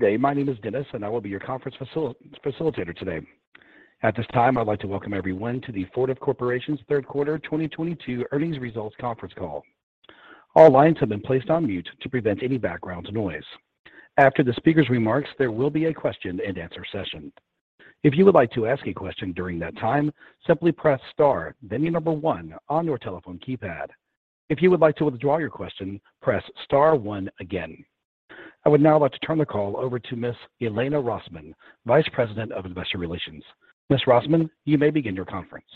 Good day. My name is Dennis, and I will be your conference facilitator today. At this time, I'd like to welcome everyone to the Fortive Corporation's third quarter 2022 earnings results conference call. All lines have been placed on mute to prevent any background noise. After the speaker's remarks, there will be a question-and-answer session. If you would like to ask a question during that time, simply press star, then the number one on your telephone keypad. If you would like to withdraw your question, press star one again. I would now like to turn the call over to Miss Elena Rosman, Vice President of Investor Relations. Ms. Rosman, you may begin your conference.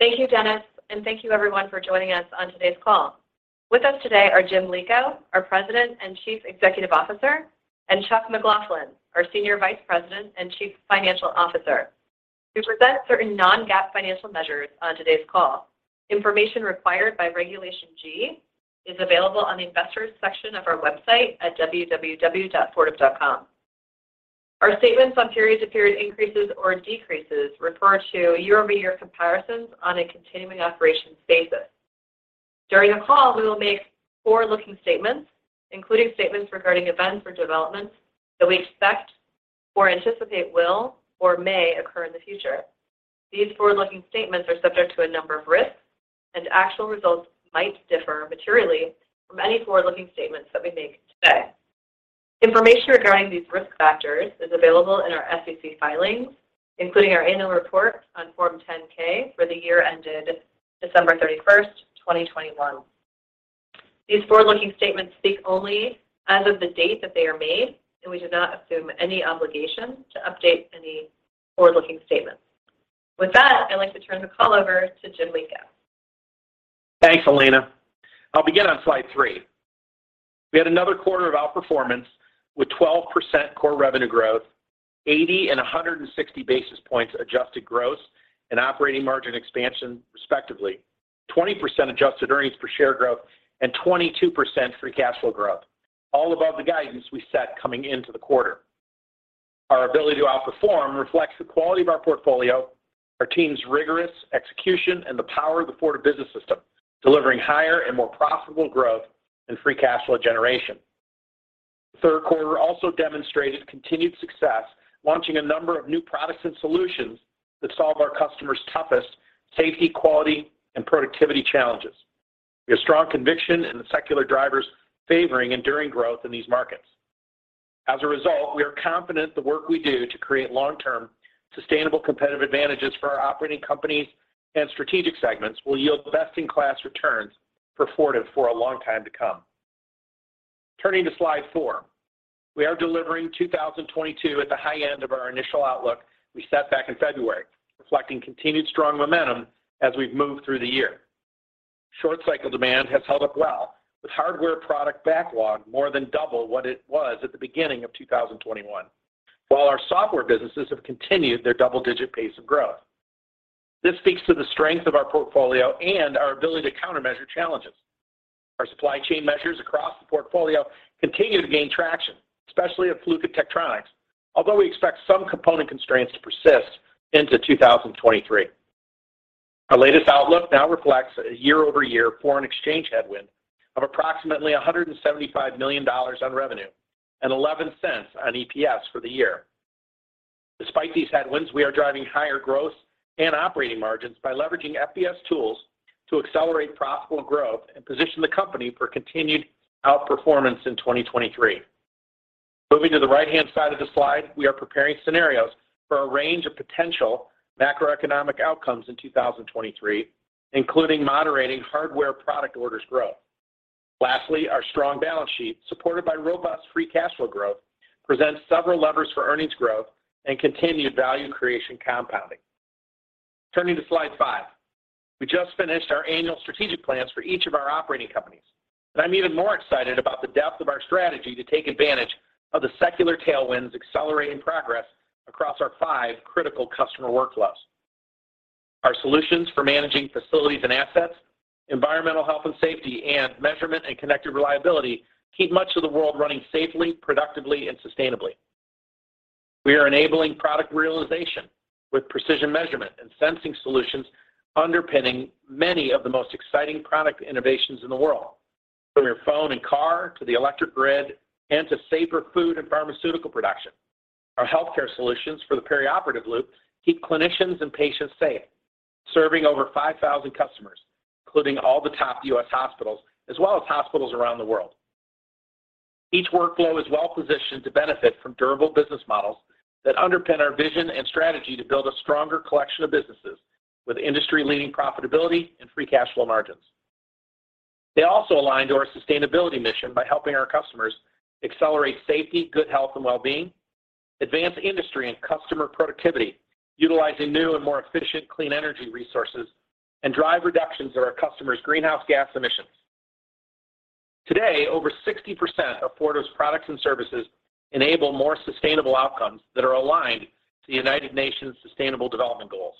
Thank you, Dennis, and thank you everyone for joining us on today's call. With us today are Jim Lico, our President and Chief Executive Officer, and Chuck McLaughlin, our Senior Vice President and Chief Financial Officer. We present certain non-GAAP financial measures on today's call. Information required by Regulation G is available on the investors section of our website at www.fortive.com. Our statements on period-to-period increases or decreases refer to year-over-year comparisons on a continuing operations basis. During the call, we will make forward-looking statements, including statements regarding events or developments that we expect or anticipate will or may occur in the future. These forward-looking statements are subject to a number of risks, and actual results might differ materially from any forward-looking statements that we make today. Information regarding these risk factors is available in our SEC filings, including our annual report on Form 10-K for the year ended December 31, 2021. These forward-looking statements speak only as of the date that they are made, and we do not assume any obligation to update any forward-looking statements. With that, I'd like to turn the call over to Jim Lico. Thanks, Elena. I'll begin on slide three. We had another quarter of outperformance with 12% core revenue growth, 80 and 160 basis points adjusted gross and operating margin expansion, respectively, 20% adjusted earnings per share growth, and 22% free cash flow growth, all above the guidance we set coming into the quarter. Our ability to outperform reflects the quality of our portfolio, our team's rigorous execution, and the power of the Fortive Business System, delivering higher and more profitable growth and free cash flow generation. The third quarter also demonstrated continued success, launching a number of new products and solutions that solve our customers' toughest safety, quality, and productivity challenges. We have strong conviction in the secular drivers favoring enduring growth in these markets. As a result, we are confident the work we do to create long-term sustainable competitive advantages for our operating companies and strategic segments will yield best-in-class returns for Fortive for a long time to come. Turning to slide four. We are delivering 2022 at the high end of our initial outlook we set back in February, reflecting continued strong momentum as we've moved through the year. Short cycle demand has held up well, with hardware product backlog more than double what it was at the beginning of 2021, while our software businesses have continued their double-digit pace of growth. This speaks to the strength of our portfolio and our ability to countermeasure challenges. Our supply chain measures across the portfolio continue to gain traction, especially at Fluke and Tektronix, although we expect some component constraints to persist into 2023. Our latest outlook now reflects a year-over-year foreign exchange headwind of approximately $175 million on revenue and $0.11 on EPS for the year. Despite these headwinds, we are driving higher growth and operating margins by leveraging FBS tools to accelerate profitable growth and position the company for continued outperformance in 2023. Moving to the right-hand side of the slide, we are preparing scenarios for a range of potential macroeconomic outcomes in 2023, including moderating hardware product orders growth. Lastly, our strong balance sheet, supported by robust free cash flow growth, presents several levers for earnings growth and continued value creation compounding. Turning to slide five. We just finished our annual strategic plans for each of our operating companies, and I'm even more excited about the depth of our strategy to take advantage of the secular tailwinds accelerating progress across our five critical customer workflows. Our solutions for managing facilities and assets, environmental health and safety, and measurement and connected reliability keep much of the world running safely, productively, and sustainably. We are enabling product realization with precision measurement and sensing solutions underpinning many of the most exciting product innovations in the world, from your phone and car to the electric grid and to safer food and pharmaceutical production. Our healthcare solutions for the perioperative loop keep clinicians and patients safe, serving over 5,000 customers, including all the top U.S. hospitals as well as hospitals around the world. Each workflow is well-positioned to benefit from durable business models that underpin our vision and strategy to build a stronger collection of businesses with industry-leading profitability and free cash flow margins. They also align to our sustainability mission by helping our customers accelerate safety, good health, and well-being, advance industry and customer productivity, utilizing new and more efficient clean energy resources, and drive reductions in our customers' greenhouse gas emissions. Today, over 60% of Fortive's products and services enable more sustainable outcomes that are aligned to the United Nations Sustainable Development Goals.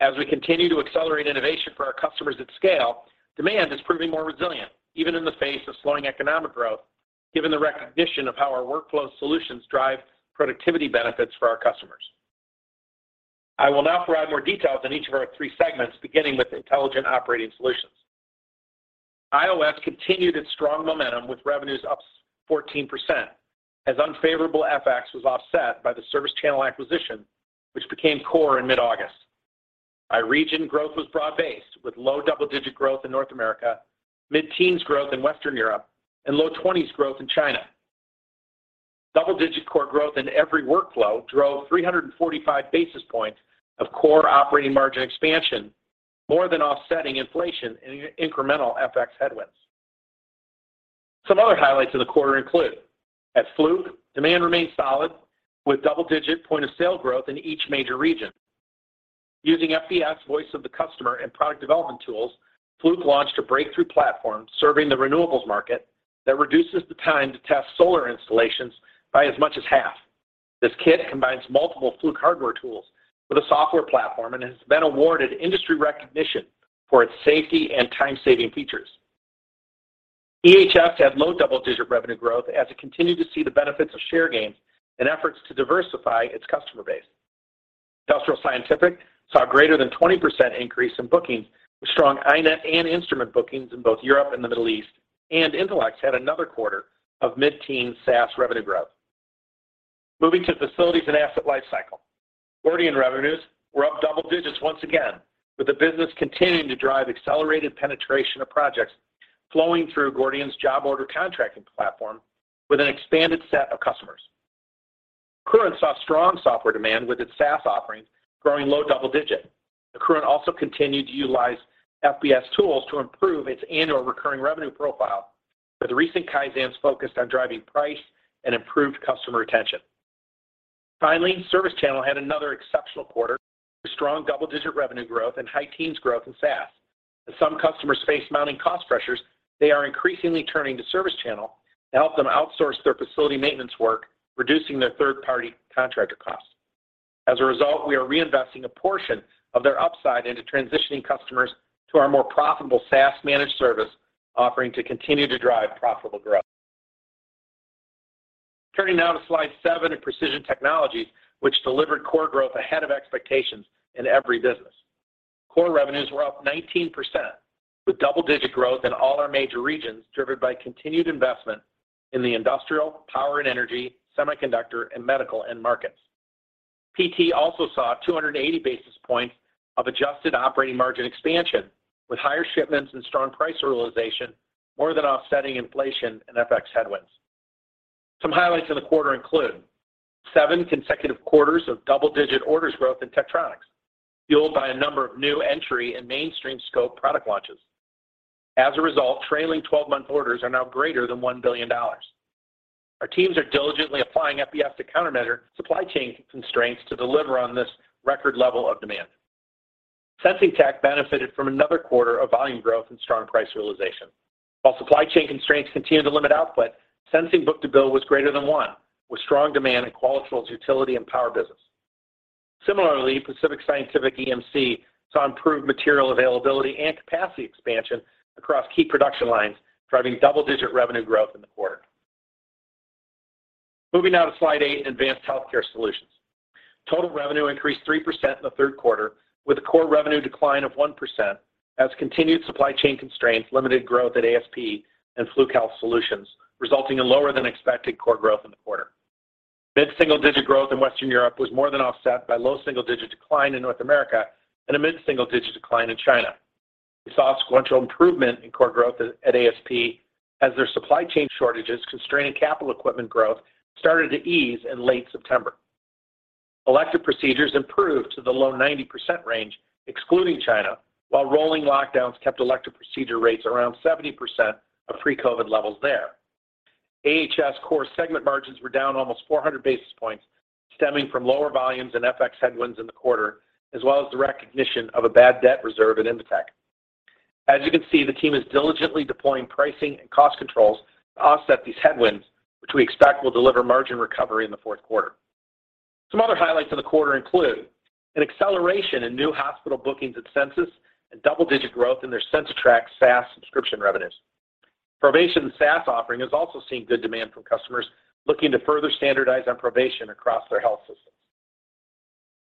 As we continue to accelerate innovation for our customers at scale, demand is proving more resilient, even in the face of slowing economic growth, given the recognition of how our workflow solutions drive productivity benefits for our customers. I will now provide more details on each of our three segments, beginning with Intelligent Operating Solutions. IOS continued its strong momentum with revenues up 14% as unfavorable FX was offset by the ServiceChannel acquisition, which became core in mid-August. By region, growth was broad-based, with low double-digit growth in North America, mid-teens growth in Western Europe, and low twenties growth in China. Double-digit core growth in every workflow drove 345 basis points of core operating margin expansion, more than offsetting inflation and incremental FX headwinds. Some other highlights of the quarter include at Fluke, demand remained solid, with double-digit point of sale growth in each major region. Using FBS Voice of the Customer and product development tools, Fluke launched a breakthrough platform serving the renewables market that reduces the time to test solar installations by as much as half. This kit combines multiple Fluke hardware tools with a software platform and has been awarded industry recognition for its safety and time-saving features. EHS had low double-digit revenue growth as it continued to see the benefits of share gains and efforts to diversify its customer base. Industrial Scientific saw greater than 20% increase in bookings, with strong iNet and instrument bookings in both Europe and the Middle East. Intelex had another quarter of mid-teen SaaS revenue growth. Moving to Facility and Asset Lifecycle. Gordian revenues were up double digits once again, with the business continuing to drive accelerated penetration of projects flowing through Gordian's Job Order Contracting platform with an expanded set of customers. Accruent saw strong software demand, with its SaaS offerings growing low double-digit. Accruent also continued to utilize FBS tools to improve its annual recurring revenue profile, with recent Kaizens focused on driving price and improved customer retention. Finally, ServiceChannel had another exceptional quarter with strong double-digit revenue growth and high teens growth in SaaS. As some customers face mounting cost pressures, they are increasingly turning to ServiceChannel to help them outsource their facility maintenance work, reducing their third-party contractor costs. As a result, we are reinvesting a portion of their upside into transitioning customers to our more profitable SaaS managed service, offering to continue to drive profitable growth. Turning now to slide seven in Precision Technologies, which delivered core growth ahead of expectations in every business. Core revenues were up 19%, with double-digit growth in all our major regions, driven by continued investment in the industrial, power and energy, semiconductor, and medical end markets. PT also saw 280 basis points of adjusted operating margin expansion, with higher shipments and strong price realization more than offsetting inflation and FX headwinds. Some highlights in the quarter include seven consecutive quarters of double-digit orders growth in Tektronix, fueled by a number of new entry and mainstream scope product launches. As a result, trailing 12-month orders are now greater than $1 billion. Our teams are diligently applying FBS to countermeasure supply chain constraints to deliver on this record level of demand. Sensing Technologies benefited from another quarter of volume growth and strong price realization. While supply chain constraints continue to limit output, Sensing Technologies book-to-bill was greater than 1, with strong demand in Qualitrol's utility and power business. Similarly, Pacific Scientific EMC saw improved material availability and capacity expansion across key production lines, driving double-digit revenue growth in the quarter. Moving now to slide eight, Advanced Healthcare Solutions. Total revenue increased 3% in the third quarter, with a core revenue decline of 1% as continued supply chain constraints limited growth at ASP and Fluke Health Solutions, resulting in lower than expected core growth in the quarter. Mid-single-digit growth in Western Europe was more than offset by low single-digit decline in North America and a mid-single-digit decline in China. We saw sequential improvement in core growth at ASP as their supply chain shortages constraining capital equipment growth started to ease in late September. Elective procedures improved to the low 90% range, excluding China, while rolling lockdowns kept elective procedure rates around 70% of pre-COVID levels there. AHS core segment margins were down almost 400 basis points, stemming from lower volumes and FX headwinds in the quarter, as well as the recognition of a bad debt reserve in Invetech. As you can see, the team is diligently deploying pricing and cost controls to offset these headwinds, which we expect will deliver margin recovery in the fourth quarter. Some other highlights of the quarter include an acceleration in new hospital bookings at Censis and double-digit growth in their CensiTrac SaaS subscription revenues. Provation SaaS offering is also seeing good demand from customers looking to further standardize on Provation across their health systems.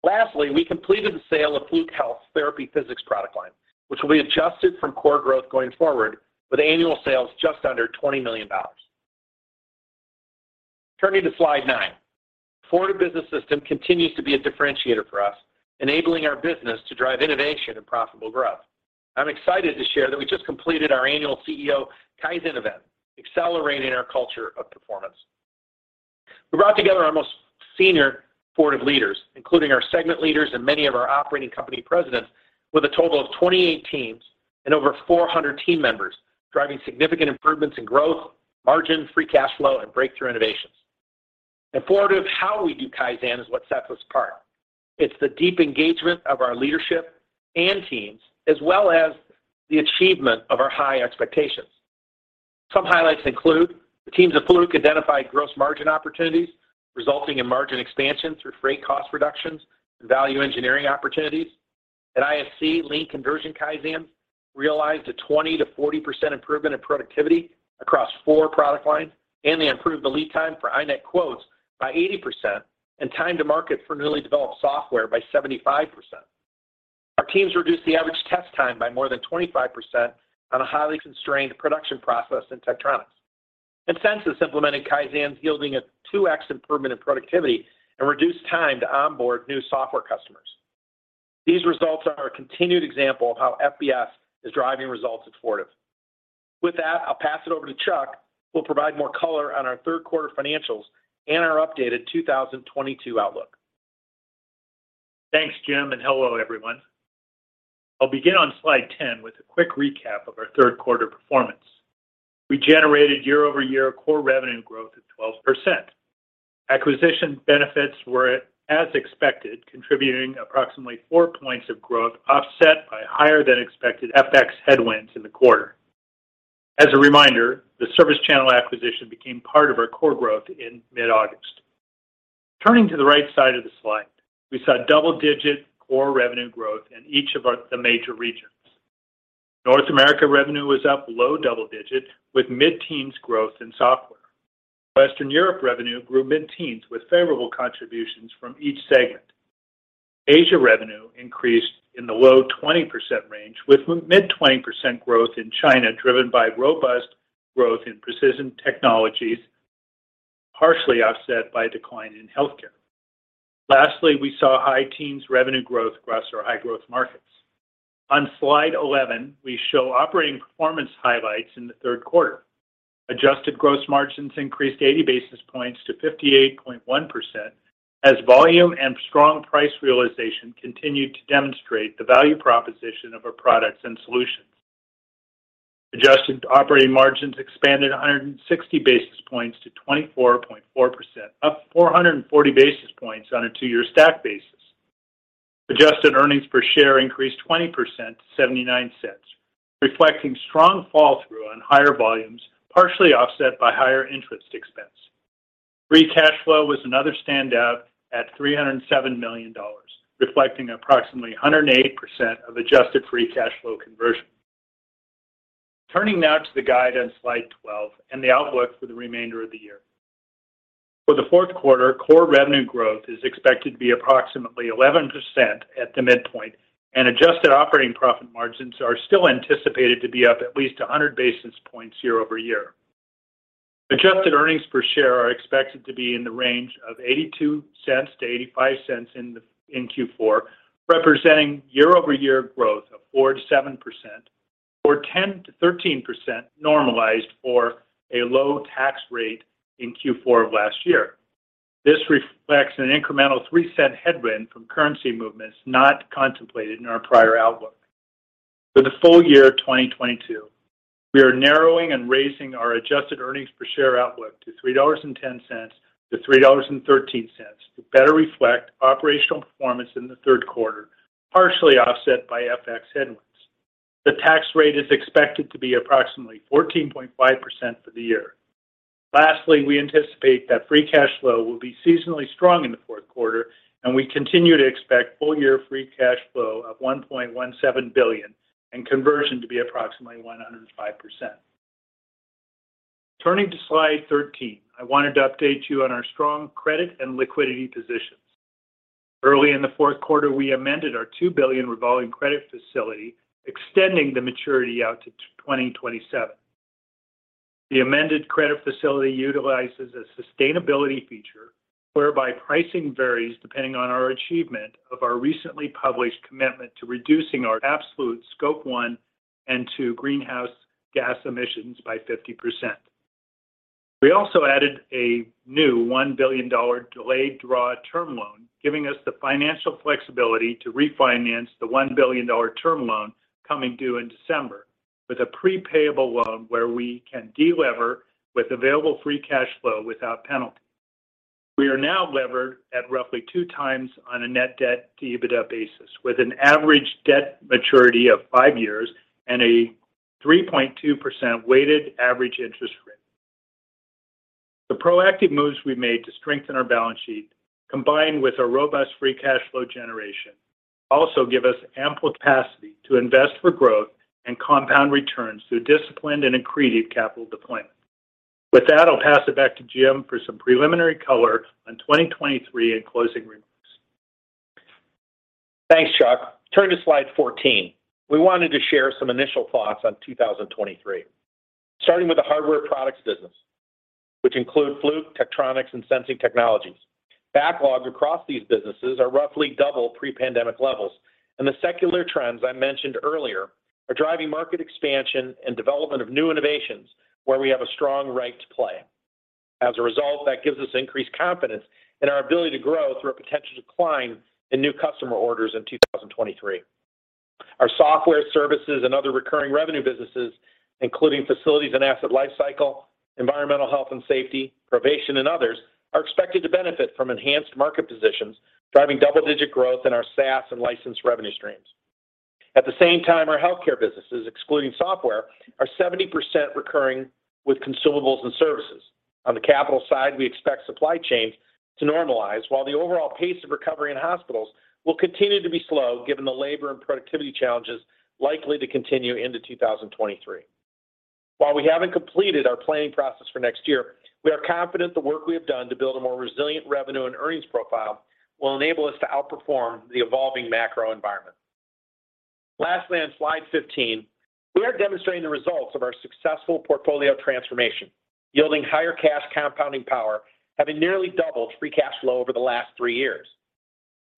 Lastly, we completed the sale of Fluke Health Solutions's therapy physics product line, which will be adjusted from core growth going forward, with annual sales just under $20 million. Turning to slide nine. The Fortive Business System continues to be a differentiator for us, enabling our business to drive innovation and profitable growth. I'm excited to share that we just completed our annual CEO Kaizen event, accelerating our culture of performance. We brought together our most senior Fortive leaders, including our segment leaders and many of our operating company presidents, with a total of 28 teams and over 400 team members, driving significant improvements in growth, margin, free cash flow, and breakthrough innovations. At Fortive, how we do Kaizen is what sets us apart. It's the deep engagement of our leadership and teams, as well as the achievement of our high expectations. Some highlights include the teams at Fluke identified gross margin opportunities, resulting in margin expansion through freight cost reductions and value engineering opportunities. At ISC, lean conversion Kaizen realized a 20%-40% improvement in productivity across four product lines, and they improved the lead time for iNet quotes by 80% and time to market for newly developed software by 75%. Our teams reduced the average test time by more than 25% on a highly constrained production process in Tektronix. Censis implemented Kaizen, yielding a 2x improvement in productivity and reduced time to onboard new software customers. These results are a continued example of how FBS is driving results at Fortive. With that, I'll pass it over to Chuck, who will provide more color on our third quarter financials and our updated 2022 outlook. Thanks, Jim, and hello, everyone. I'll begin on slide 10 with a quick recap of our third quarter performance. We generated year-over-year core revenue growth of 12%. Acquisition benefits were as expected, contributing approximately four points of growth offset by higher than expected FX headwinds in the quarter. As a reminder, the ServiceChannel acquisition became part of our core growth in mid-August. Turning to the right side of the slide, we saw double-digit core revenue growth in each of our major regions. North America revenue was up low double digits, with mid-teens growth in software. Western Europe revenue grew mid-teens, with favorable contributions from each segment. Asia revenue increased in the low 20% range, with mid 20% growth in China, driven by robust growth in Precision Technologies, partially offset by a decline in healthcare. Lastly, we saw high teens revenue growth across our high-growth markets. On slide 11, we show operating performance highlights in the third quarter. Adjusted gross margins increased 80 basis points to 58.1% as volume and strong price realization continued to demonstrate the value proposition of our products and solutions. Adjusted operating margins expanded 160 basis points to 24.4%, up 440 basis points on a two-year stack basis. Adjusted earnings per share increased 20% to $0.79, reflecting strong fall-through on higher volumes, partially offset by higher interest expense. Free cash flow was another standout at $307 million, reflecting approximately 180% of adjusted free cash flow conversion. Turning now to the guide on slide 12 and the outlook for the remainder of the year. For the fourth quarter, core revenue growth is expected to be approximately 11% at the midpoint, and adjusted operating profit margins are still anticipated to be up at least 100 basis points year-over-year. Adjusted earnings per share are expected to be in the range of $0.82-$0.85 in Q4, representing year-over-year growth of 4%-7% or 10%-13% normalized for a low tax rate in Q4 of last year. This reflects an incremental $0.03 headwind from currency movements not contemplated in our prior outlook. For the full year of 2022, we are narrowing and raising our adjusted earnings per share outlook to $3.10-$3.13 to better reflect operational performance in the third quarter, partially offset by FX headwinds. The tax rate is expected to be approximately 14.5% for the year. Lastly, we anticipate that free cash flow will be seasonally strong in the fourth quarter, and we continue to expect full-year free cash flow of $1.17 billion and conversion to be approximately 105%. Turning to slide 13, I wanted to update you on our strong credit and liquidity positions. Early in the fourth quarter, we amended our $2 billion revolving credit facility, extending the maturity out to 2027. The amended credit facility utilizes a sustainability feature whereby pricing varies depending on our achievement of our recently published commitment to reducing our absolute scope one and two greenhouse gas emissions by 50%. We also added a new $1 billion delayed draw term loan, giving us the financial flexibility to refinance the $1 billion term loan coming due in December with a pre-payable loan where we can de-lever with available free cash flow without penalty. We are now levered at roughly 2x on a net debt-to-EBITDA basis, with an average debt maturity of five years and a 3.2% weighted average interest rate. The proactive moves we made to strengthen our balance sheet, combined with our robust free cash flow generation, also give us ample capacity to invest for growth and compound returns through disciplined and accretive capital deployment. With that, I'll pass it back to Jim for some preliminary color on 2023 and closing remarks. Thanks, Chuck. Turning to slide 14. We wanted to share some initial thoughts on 2023. Starting with the hardware products business, which include Fluke, Tektronix, and Sensing Technologies. Backlogs across these businesses are roughly double pre-pandemic levels, and the secular trends I mentioned earlier are driving market expansion and development of new innovations where we have a strong right to play. As a result, that gives us increased confidence in our ability to grow through a potential decline in new customer orders in 2023. Our software services and other recurring revenue businesses, including Facility and Asset Lifecycle, environmental health and safety, Provation and others, are expected to benefit from enhanced market positions, driving double-digit growth in our SaaS and licensed revenue streams. At the same time, our healthcare businesses, excluding software, are 70% recurring with consumables and services. On the capital side, we expect supply chains to normalize while the overall pace of recovery in hospitals will continue to be slow given the labor and productivity challenges likely to continue into 2023. While we haven't completed our planning process for next year, we are confident the work we have done to build a more resilient revenue and earnings profile will enable us to outperform the evolving macro environment. Lastly, on slide 15, we are demonstrating the results of our successful portfolio transformation, yielding higher cash compounding power, having nearly doubled free cash flow over the last three years.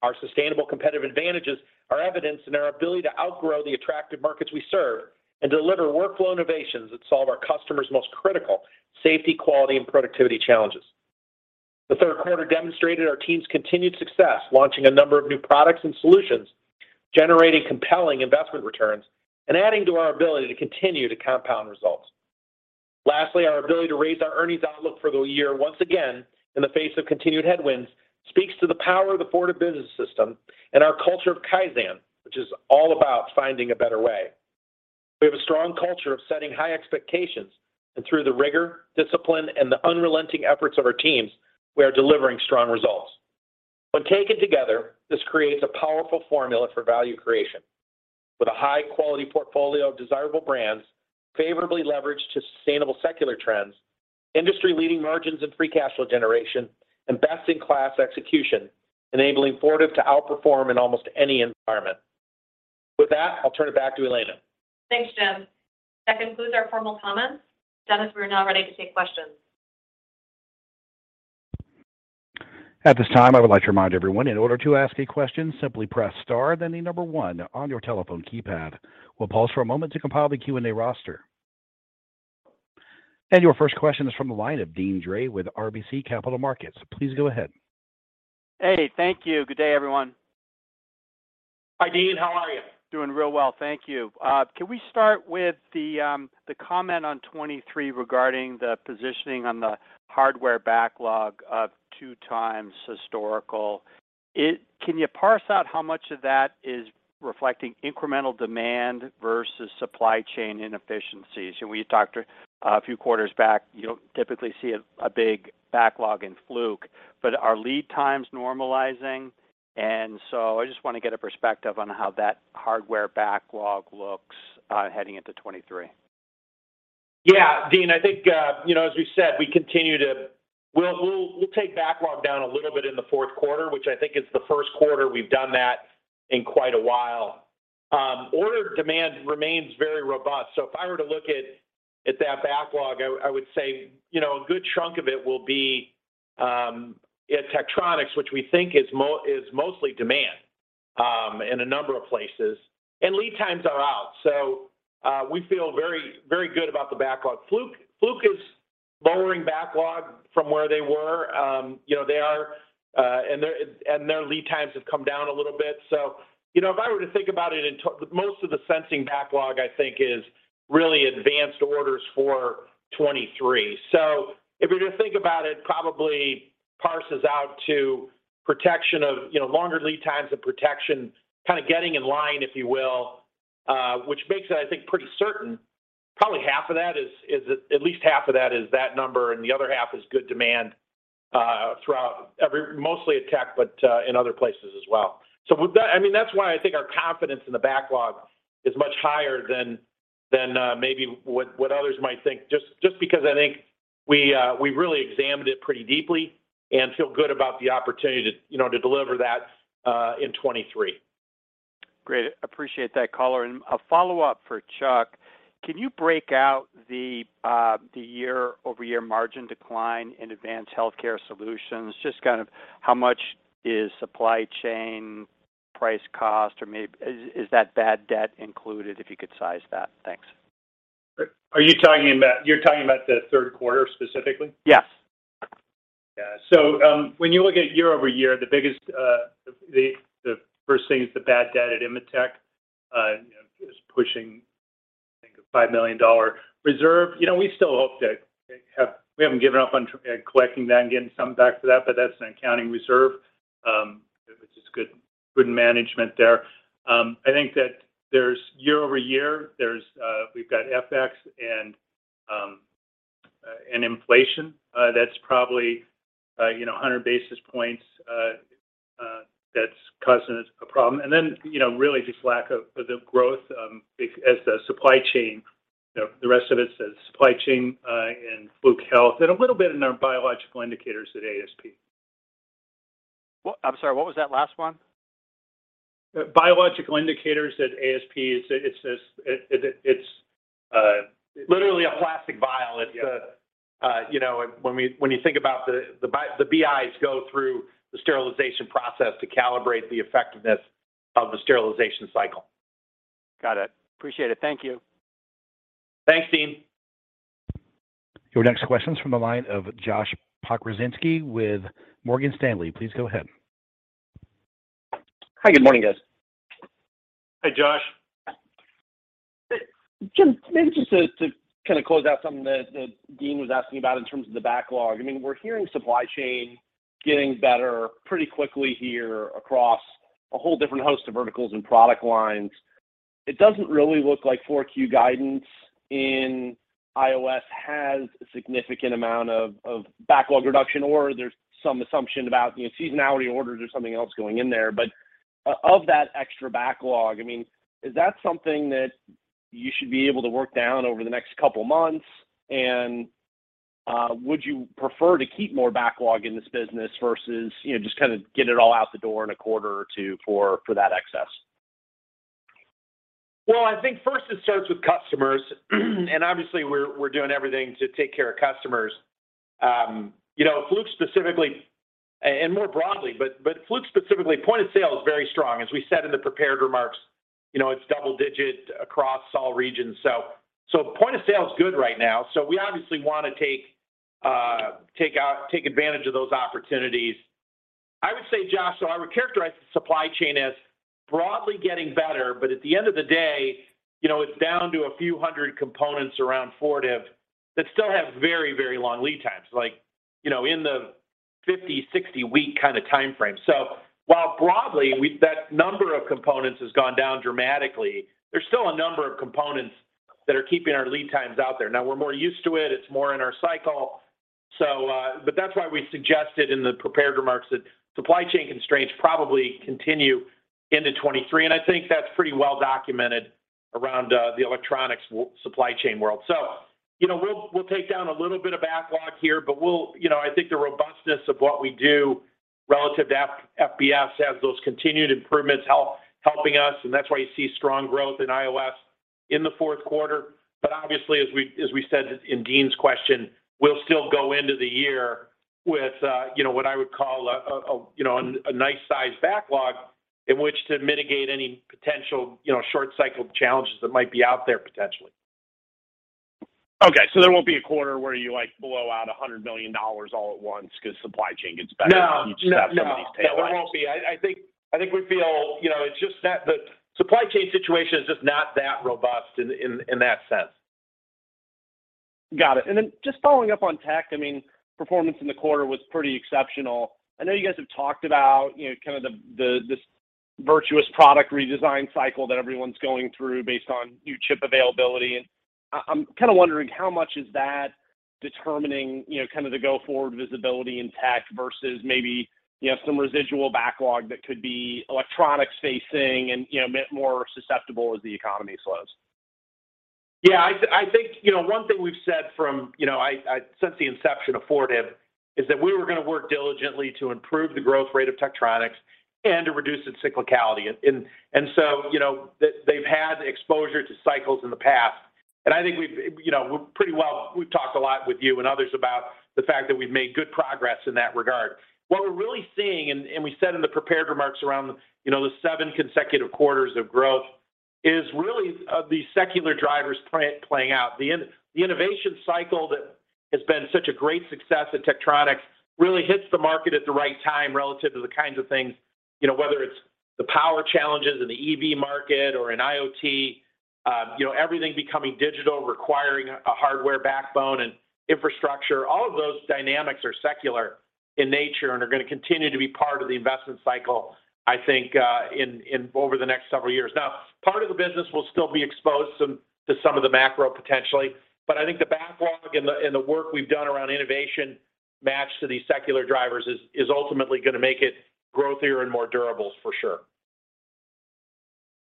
Our sustainable competitive advantages are evidenced in our ability to outgrow the attractive markets we serve and deliver workflow innovations that solve our customers' most critical safety, quality, and productivity challenges. The third quarter demonstrated our team's continued success, launching a number of new products and solutions, generating compelling investment returns, and adding to our ability to continue to compound results. Lastly, our ability to raise our earnings outlook for the year, once again, in the face of continued headwinds, speaks to the power of the Fortive Business System and our culture of Kaizen, which is all about finding a better way. We have a strong culture of setting high expectations, and through the rigor, discipline, and the unrelenting efforts of our teams, we are delivering strong results. When taken together, this creates a powerful formula for value creation. With a high-quality portfolio of desirable brands favorably leveraged to sustainable secular trends, industry-leading margins and free cash flow generation, and best-in-class execution, enabling Fortive to outperform in almost any environment. With that, I'll turn it back to Elena. Thanks, Jim. That concludes our formal comments. Dennis, we are now ready to take questions. At this time, I would like to remind everyone, in order to ask a question, simply press star, then the number one on your telephone keypad. We'll pause for a moment to compile the Q&A roster. Your first question is from the line of Deane Dray with RBC Capital Markets. Please go ahead. Hey, thank you. Good day, everyone. Hi, Dean. How are you? Doing real well. Thank you. Can we start with the comment on 2023 regarding the positioning on the hardware backlog of 2x historical. Can you parse out how much of that is reflecting incremental demand versus supply chain inefficiencies? We talked a few quarters back, you don't typically see a big backlog in Fluke, but are lead times normalizing? I just want to get a perspective on how that hardware backlog looks heading into 2023. Yeah. Dean, I think, you know, as we said, we'll take backlog down a little bit in the fourth quarter, which I think is the first quarter we've done that in quite a while. Order demand remains very robust. If I were to look at that backlog, I would say, you know, a good chunk of it will be at Tektronix, which we think is mostly demand in a number of places, and lead times are out. We feel very, very good about the backlog. Fluke is lowering backlog from where they were. You know, they are and their lead times have come down a little bit. You know, if I were to think about it into most of the sensing backlog, I think is really advanced orders for 2023. If you're to think about it, probably parses out to protection of, you know, longer lead times of protection, kind of getting in line, if you will, which makes it, I think, pretty certain probably half of that is at least half of that is that number, and the other half is good demand throughout mostly at Tech, but in other places as well. With that, I mean, that's why I think our confidence in the backlog is much higher than maybe what others might think, just because I think we really examined it pretty deeply and feel good about the opportunity to, you know, to deliver that in 2023. Great. Appreciate that color. A follow-up for Chuck. Can you break out the year-over-year margin decline in Advanced Healthcare Solutions? Just kind of how much is supply chain price cost, or is that bad debt included, if you could size that? Thanks. You're talking about the third quarter specifically? Yes. Yeah. When you look at year-over-year, the biggest, the first thing is the bad debt at Invetech, you know, is pushing, I think, a $5 million reserve. You know, we haven't given up on collecting that and getting some back to that, but that's an accounting reserve, which is good management there. I think that there's year-over-year, we've got FX and inflation, that's probably, you know, 100 basis points, that's causing us a problem. Then, you know, really just lack of the growth, as the supply chain, you know, the rest of it says supply chain, and Fluke Health, and a little bit in our biological indicators at ASP. What? I'm sorry, what was that last one? Biological Indicators at ASP, it's this. Literally a plastic vial. It's a, you know, when you think about the BIs go through the sterilization process to calibrate the effectiveness of the sterilization cycle. Got it. Appreciate it. Thank you. Thanks, Deane. Your next question is from the line of Josh Pokrzywinski with Morgan Stanley. Please go ahead. Hi. Good morning, guys. Hey, Josh. Jim, maybe just to kind of close out something that Dean was asking about in terms of the backlog. I mean, we're hearing supply chain getting better pretty quickly here across a whole different host of verticals and product lines. It doesn't really look like 4Q guidance in IOS has a significant amount of backlog reduction, or there's some assumption about, you know, seasonality orders or something else going in there. Of that extra backlog, I mean, is that something that you should be able to work down over the next couple of months? Would you prefer to keep more backlog in this business versus, you know, just kind of get it all out the door in a quarter or two for that excess? Well, I think first it starts with customers, and obviously we're doing everything to take care of customers. You know, Fluke specifically and more broadly, but Fluke specifically, point of sale is very strong. As we said in the prepared remarks, you know, it's double digit across all regions. So point of sale is good right now. So we obviously wanna take advantage of those opportunities. I would say, Josh, I would characterize the supply chain as broadly getting better, but at the end of the day, you know, it's down to a few hundred components around Fortive that still have very long lead times, like, you know, in the 50, 60 week kind of timeframe. While broadly that number of components has gone down dramatically, there's still a number of components that are keeping our lead times out there. Now, we're more used to it's more in our cycle. That's why we suggested in the prepared remarks that supply chain constraints probably continue into 2023. I think that's pretty well documented around the electronics supply chain world. You know, we'll take down a little bit of backlog here. You know, I think the robustness of what we do relative to FBS has those continued improvements helping us, and that's why you see strong growth in IOS in the fourth quarter. Obviously, as we said in Dean's question, we'll still go into the year with, you know, what I would call a nice size backlog in which to mitigate any potential, you know, short cycle challenges that might be out there potentially. Okay. There won't be a quarter where you like blow out $100 million all at once 'cause supply chain gets better. No. No. No You just have somebody's tailwind. No, there won't be. I think we feel. You know, it's just that the supply chain situation is just not that robust in that sense. Got it. Then just following up on tech, I mean, performance in the quarter was pretty exceptional. I know you guys have talked about, you know, kind of this virtuous product redesign cycle that everyone's going through based on new chip availability. I'm kinda wondering how much is that determining, you know, kind of the go forward visibility in tech versus maybe, you know, some residual backlog that could be electronic-facing and, you know, a bit more susceptible as the economy slows. Yeah, I think, you know, one thing we've said since the inception of Fortive is that we were gonna work diligently to improve the growth rate of Tektronix and to reduce its cyclicality. You know, they've had exposure to cycles in the past. I think we've talked a lot with you and others about the fact that we've made good progress in that regard. What we're really seeing, we said in the prepared remarks around, you know, the seven consecutive quarters of growth, is really these secular drivers playing out. The innovation cycle that has been such a great success at Tektronix really hits the market at the right time relative to the kinds of things, you know, whether it's the power challenges in the EV market or in IoT. You know, everything becoming digital, requiring a hardware backbone and infrastructure. All of those dynamics are secular in nature and are gonna continue to be part of the investment cycle, I think, over the next several years. Now, part of the business will still be exposed some to some of the macro potentially. But I think the backlog and the work we've done around innovation matched to these secular drivers is ultimately gonna make it growthier and more durable for sure.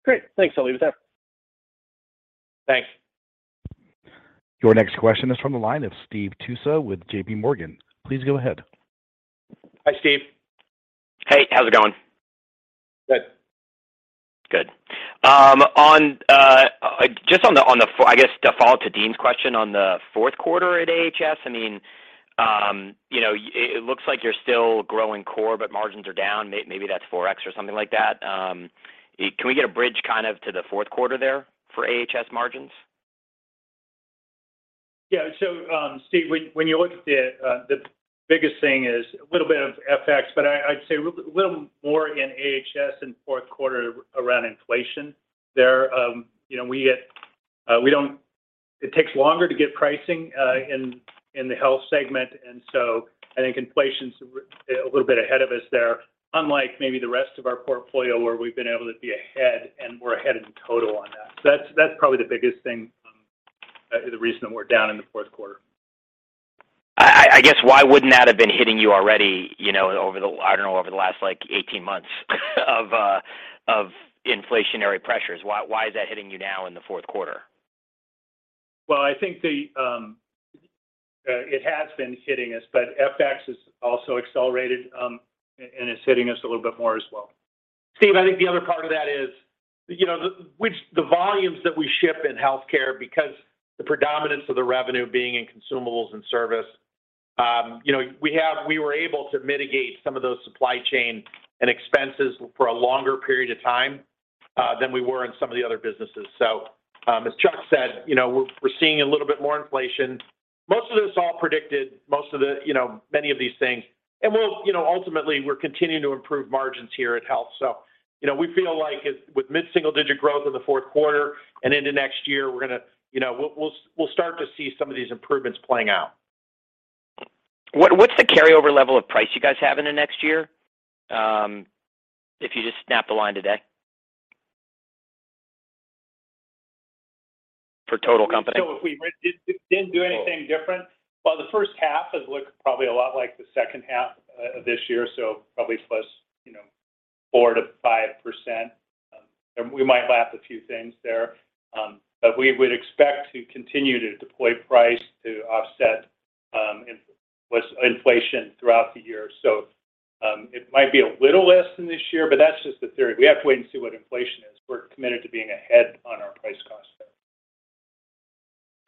Great. Thanks. I'll leave it there. Thanks. Your next question is from the line of Steve Tusa withJPMorgan. Please go ahead. Hi, Steve. Hey, how's it going? Good. Good. On just on the follow-up to Dean's question on the fourth quarter at AHS. I mean, you know, it looks like you're still growing core, but margins are down. Maybe that's FX or something like that. Can we get a bridge kind of to the fourth quarter there for AHS margins? Yeah. Steve, when you look at the biggest thing is a little bit of FX, but I'd say a little more in AHS in fourth quarter around inflation there. You know, it takes longer to get pricing in the health segment. I think inflation's a little bit ahead of us there. Unlike maybe the rest of our portfolio where we've been able to be ahead, and we're ahead in total on that. That's probably the biggest thing, the reason that we're down in the fourth quarter. I guess why wouldn't that have been hitting you already, you know, over the last like 18 months of inflationary pressures? Why is that hitting you now in the fourth quarter? Well, I think it has been hitting us, but FX has also accelerated and is hitting us a little bit more as well. Steve, I think the other part of that is, you know, the volumes that we ship in healthcare because the predominance of the revenue being in consumables and service. You know, we were able to mitigate some of those supply chain and expenses for a longer period of time than we were in some of the other businesses. As Chuck said, you know, we're seeing a little bit more inflation. Most of this, we all predicted most of the, you know, many of these things. We'll, you know, ultimately we're continuing to improve margins here at healthcare. You know, we feel like if with mid-single-digit growth in the fourth quarter and into next year, we're gonna, you know, we'll start to see some of these improvements playing out. What's the carryover level of price you guys have into next year, if you just snap the line today? For total company. If we didn't do anything different, the first half has looked probably a lot like the second half of this year, probably plus, you know, 4%-5%. We might lap a few things there. We would expect to continue to deploy price to offset with inflation throughout the year. It might be a little less than this year, but that's just the theory. We have to wait and see what inflation is. We're committed to being ahead on our price cost though.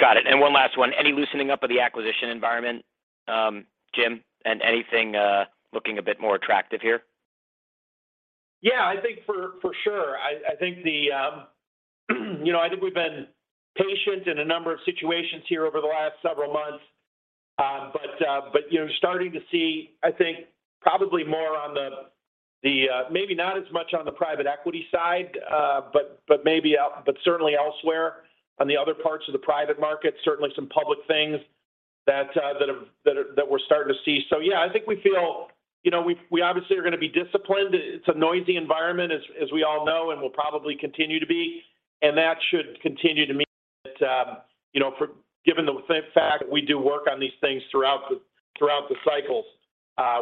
Got it. One last one. Any loosening up of the acquisition environment, Jim, and anything looking a bit more attractive here? Yeah, I think for sure. I think you know, I think we've been patient in a number of situations here over the last several months. You know, starting to see, I think, maybe not as much on the private equity side, but certainly elsewhere on the other parts of the private market, certainly some public things that we're starting to see. Yeah, I think we feel, you know, we obviously are gonna be disciplined. It's a noisy environment as we all know, and will probably continue to be. That should continue to mean that, you know, given the fact that we do work on these things throughout the cycles,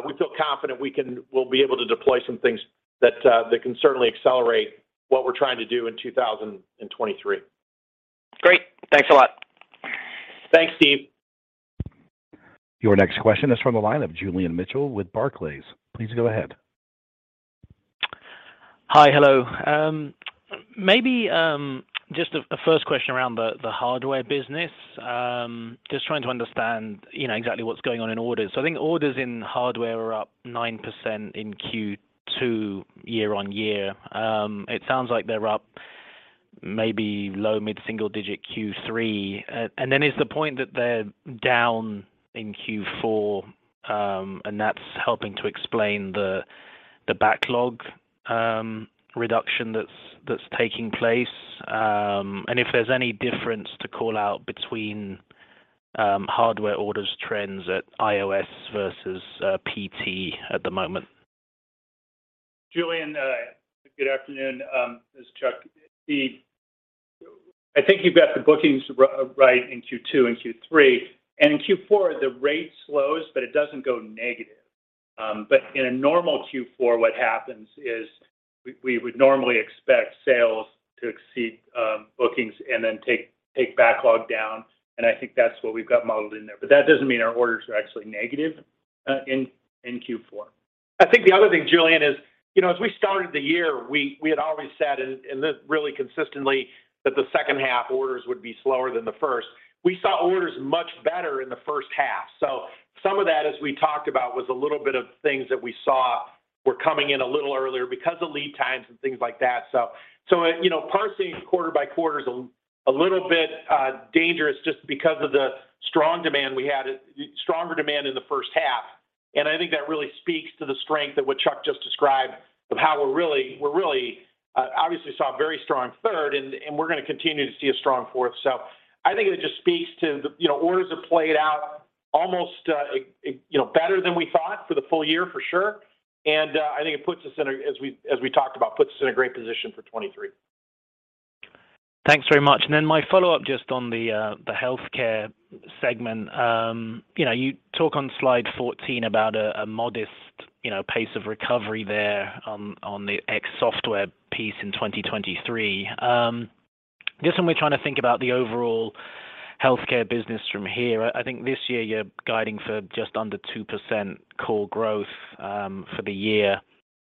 we feel confident we'll be able to deploy some things that can certainly accelerate what we're trying to do in 2023. Great. Thanks a lot. Thanks, Steve. Your next question is from the line of Julian Mitchell with Barclays. Please go ahead. Hello. Maybe just a first question around the hardware business. Just trying to understand, you know, exactly what's going on in orders. I think orders in hardware are up 9% in Q2 year-on-year. It sounds like they're up maybe low- to mid-single-digit Q3. And then is the point that they're down in Q4, and that's helping to explain the backlog reduction that's taking place, and if there's any difference to call out between hardware orders trends at IOS versus PT at the moment. Julian, good afternoon. This is Chuck. I think you've got the bookings right in Q2 and Q3. In Q4, the rate slows, but it doesn't go negative. In a normal Q4, what happens is we would normally expect sales to exceed bookings and then take backlog down, and I think that's what we've got modeled in there. That doesn't mean our orders are actually negative in Q4. I think the other thing, Julian, is, you know, as we started the year, we had always said and then really consistently that the second half orders would be slower than the first. We saw orders much better in the first half. So some of that, as we talked about, was a little bit of things that we saw were coming in a little earlier because of lead times and things like that. So, you know, parsing quarter by quarter is a little bit dangerous just because of the strong demand we had, stronger demand in the first half, and I think that really speaks to the strength of what Chuck just described of how we're really obviously saw a very strong third, and we're gonna continue to see a strong fourth. I think it just speaks to the, you know, orders have played out almost, you know, better than we thought for the full year for sure, and I think it puts us in a great position as we talked about for 2023. Thanks very much. My follow-up just on the healthcare segment. You know, you talk on slide 14 about a modest, you know, pace of recovery there on the ex software piece in 2023. Just when we're trying to think about the overall healthcare business from here, I think this year you're guiding for just under 2% core growth for the year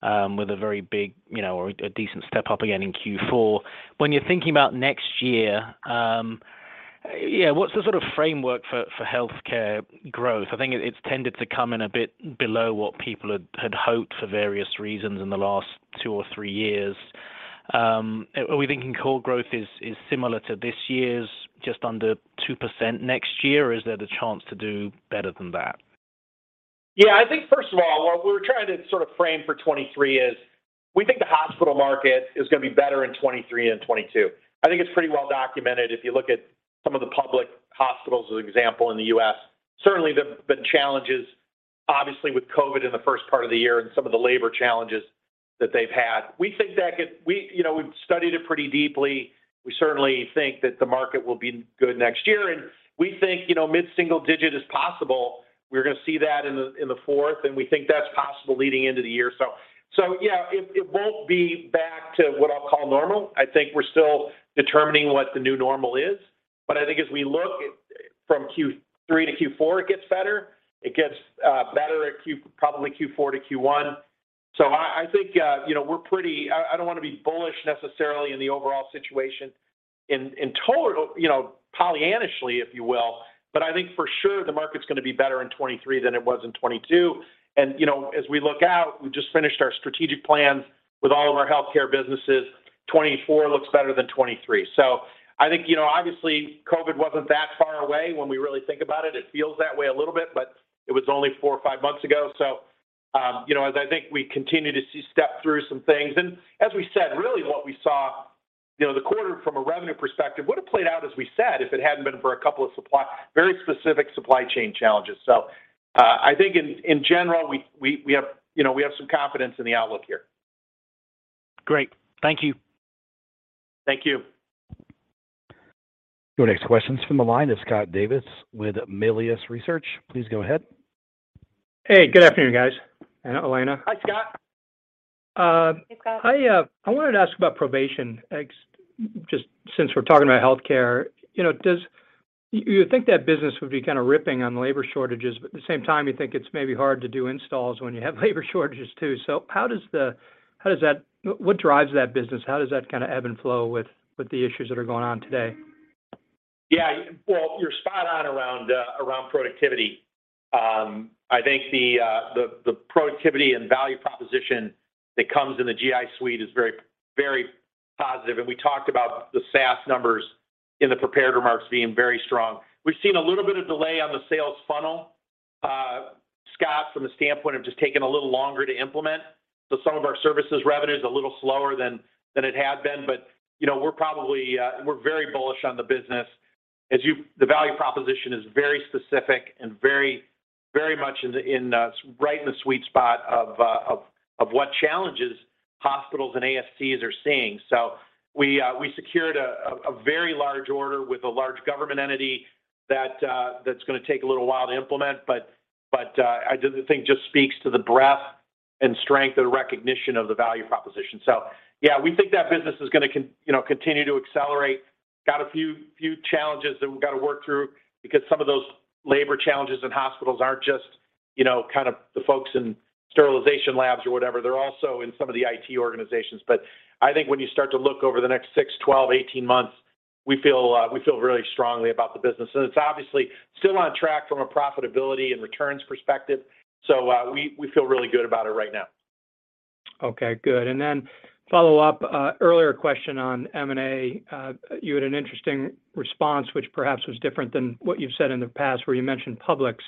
with a very big, you know, or a decent step-up again in Q4. When you're thinking about next year, yeah, what's the sort of framework for healthcare growth? I think it's tended to come in a bit below what people had hoped for various reasons in the last 2 or 3 years. Are we thinking core growth is similar to this year's just under 2% next year, or is there the chance to do better than that? Yeah. I think first of all, what we're trying to sort of frame for 2023 is we think the hospital market is gonna be better in 2023 than 2022. I think it's pretty well documented. If you look at some of the public hospitals, as an example, in the U.S., certainly there have been challenges, obviously with COVID in the first part of the year and some of the labor challenges that they've had. We, you know, we've studied it pretty deeply. We certainly think that the market will be good next year, and we think, you know, mid-single digit is possible. We're gonna see that in the fourth, and we think that's possible leading into the year. Yeah, it won't be back to what I'll call normal. I think we're still determining what the new normal is. I think as we look from Q3 -Q4, it gets better. It gets better at probably Q4-Q1. I think you know we're pretty. I don't wanna be bullish necessarily in the overall situation in total you know pollyannaishly if you will, but I think for sure the market's gonna be better in 2023 than it was in 2022. You know as we look out, we've just finished our strategic plans with all of our healthcare businesses. 2024 looks better than 2023. I think you know obviously COVID wasn't that far away when we really think about it. It feels that way a little bit, but it was only four or five months ago. You know as I think we continue to see step through some things. As we said, really what we saw, you know, the quarter from a revenue perspective would have played out, as we said, if it hadn't been for a couple of very specific supply chain challenges. I think in general, we have, you know, we have some confidence in the outlook here. Great. Thank you. Thank you. Your next question's from the line of Scott Davis with Melius Research. Please go ahead. Hey, good afternoon, guys and Elena. Hi, Scott. Hey, Scott. I wanted to ask about Provation since we're talking about healthcare. You know, do you think that business would be kind of riding on labor shortages, but at the same time, you think it's maybe hard to do installs when you have labor shortages too. What drives that business? How does that kinda ebb and flow with the issues that are going on today? Yeah. Well, you're spot on around productivity. I think the productivity and value proposition that comes in the GI suite is very, very positive. We talked about the SaaS numbers in the prepared remarks being very strong. We've seen a little bit of delay on the sales funnel, Scott, from the standpoint of just taking a little longer to implement. Some of our services revenue is a little slower than it had been. You know, we're very bullish on the business. The value proposition is very specific and very, very much right in the sweet spot of what challenges hospitals and ASCs are seeing. We secured a very large order with a large government entity that that's gonna take a little while to implement, but I do think just speaks to the breadth and strength and recognition of the value proposition. Yeah, we think that business is gonna continue to accelerate. Got a few challenges that we've got to work through because some of those labor challenges in hospitals aren't just, you know, kind of the folks in sterilization labs or whatever. They're also in some of the IT organizations. I think when you start to look over the next six, 12, 18 months, we feel really strongly about the business. It's obviously still on track from a profitability and returns perspective. We feel really good about it right now. Okay, good. Follow up, earlier question on M&A. You had an interesting response, which perhaps was different than what you've said in the past, where you mentioned publics.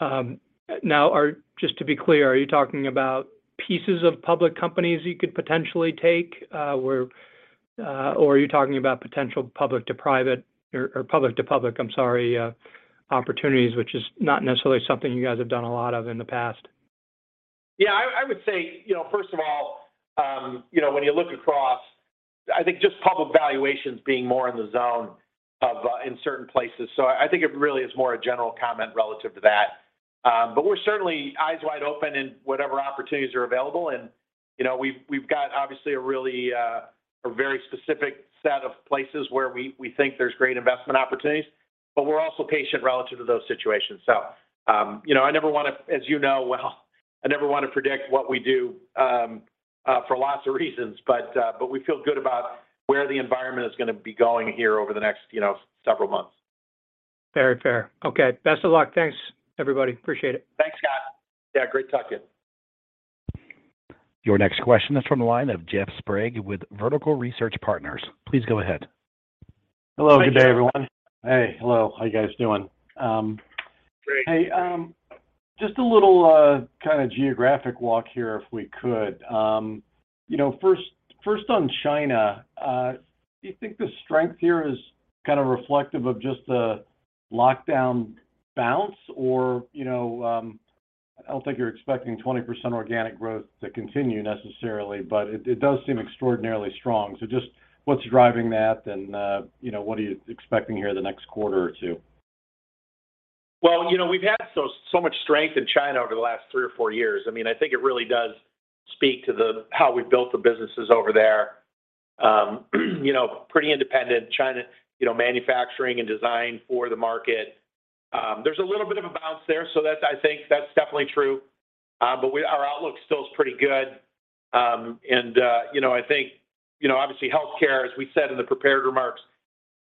Just to be clear, are you talking about pieces of public companies you could potentially take? Or are you talking about potential public to private or public to public, I'm sorry, opportunities, which is not necessarily something you guys have done a lot of in the past? Yeah, I would say, you know, first of all, you know, when you look across, I think just public valuations being more in the zone of in certain places. I think it really is more a general comment relative to that. We're certainly eyes wide open in whatever opportunities are available. You know, we've got obviously a very specific set of places where we think there's great investment opportunities, but we're also patient relative to those situations. You know, as you know well, I never wanna predict what we do for lots of reasons, but we feel good about where the environment is gonna be going here over the next several months. Very fair. Okay. Best of luck. Thanks, everybody. Appreciate it. Thanks, Scott. Yeah, great talking. Your next question is from the line of Jeff Sprague with Vertical Research Partners. Please go ahead. Hello. Good day, everyone. Hey. Hello. How you guys doing? Great. Hey, just a little kinda geographic walk here if we could. You know, first on China, do you think the strength here is kind of reflective of just the lockdown bounce or, you know, I don't think you're expecting 20% organic growth to continue necessarily, but it does seem extraordinarily strong. Just what's driving that and, you know, what are you expecting here the next quarter or two? Well, you know, we've had so much strength in China over the last three or four years. I mean, I think it really does speak to how we built the businesses over there. You know, pretty independent. China, you know, manufacturing and design for the market. There's a little bit of a bounce there, so that I think that's definitely true. Our outlook still is pretty good. You know, I think, you know, obviously healthcare, as we said in the prepared remarks,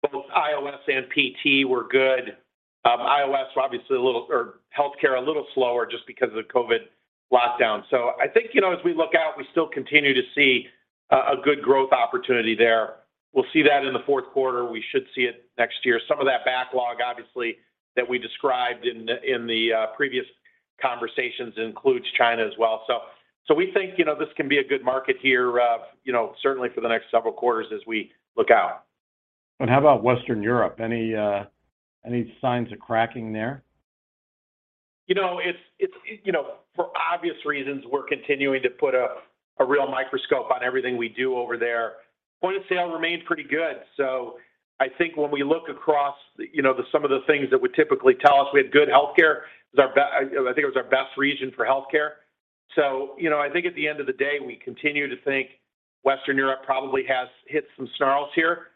both IOS and PT were good. IOS were obviously a little, or healthcare a little slower just because of the COVID lockdown. I think, you know, as we look out, we still continue to see a good growth opportunity there. We'll see that in the fourth quarter. We should see it next year. Some of that backlog, obviously, that we described in the previous conversations includes China as well. We think, you know, this can be a good market here, you know, certainly for the next several quarters as we look out. How about Western Europe? Any signs of cracking there? You know, it's you know, for obvious reasons, we're continuing to put a real microscope on everything we do over there. Point of sale remained pretty good, so I think when we look across, you know, some of the things that would typically tell us we had good healthcare, it was our best region for healthcare. You know, I think at the end of the day, we continue to think Western Europe probably has hit some snarls here.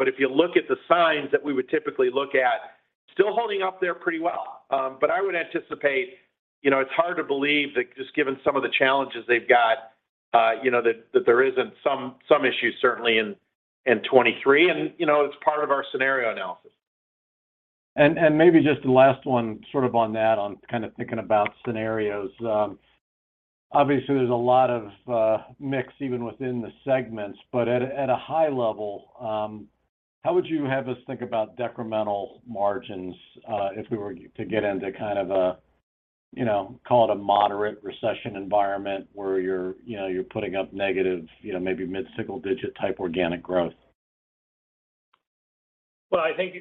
If you look at the signs that we would typically look at, still holding up there pretty well. I would anticipate, you know, it's hard to believe that just given some of the challenges they've got, you know, that there isn't some issues certainly in 2023. You know, it's part of our scenario analysis. Maybe just the last one sort of on that, on kind of thinking about scenarios. Obviously, there's a lot of mix even within the segments. At a high level, how would you have us think about decremental margins, if we were to get into kind of a, you know, call it a moderate recession environment where you're, you know, putting up negative, you know, maybe mid-single digit type organic growth? Well, I think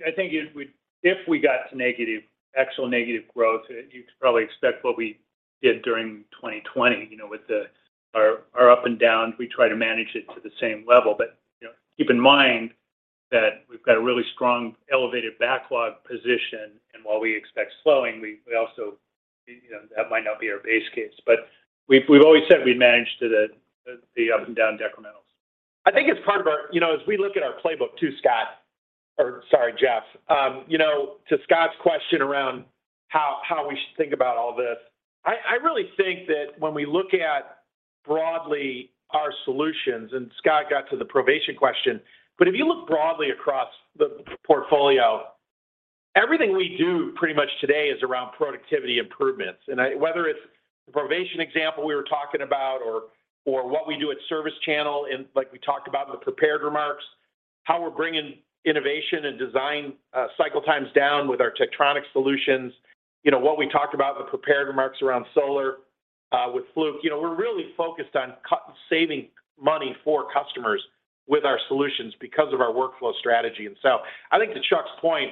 if we got to negative actual negative growth, you could probably expect what we did during 2020, you know, with our up and down. We try to manage it to the same level. You know, keep in mind that we've got a really strong elevated backlog position. While we expect slowing, we also, you know, that might not be our base case. We've always said we managed the up and down decrementals. I think it's part of our. You know, as we look at our playbook too, Scott, or sorry, Jeff, you know, to Scott's question around how we should think about all this. I really think that when we look at broadly our solutions, and Scott got to the Provation question. If you look broadly across the portfolio, everything we do pretty much today is around productivity improvements. Whether it's the Provation example we were talking about or what we do at ServiceChannel and like we talked about in the prepared remarks, how we're bringing innovation and design cycle times down with our Tektronix solutions. You know what we talked about in the prepared remarks around solar with Fluke. You know, we're really focused on cost saving money for customers with our solutions because of our workflow strategy. I think to Chuck's point,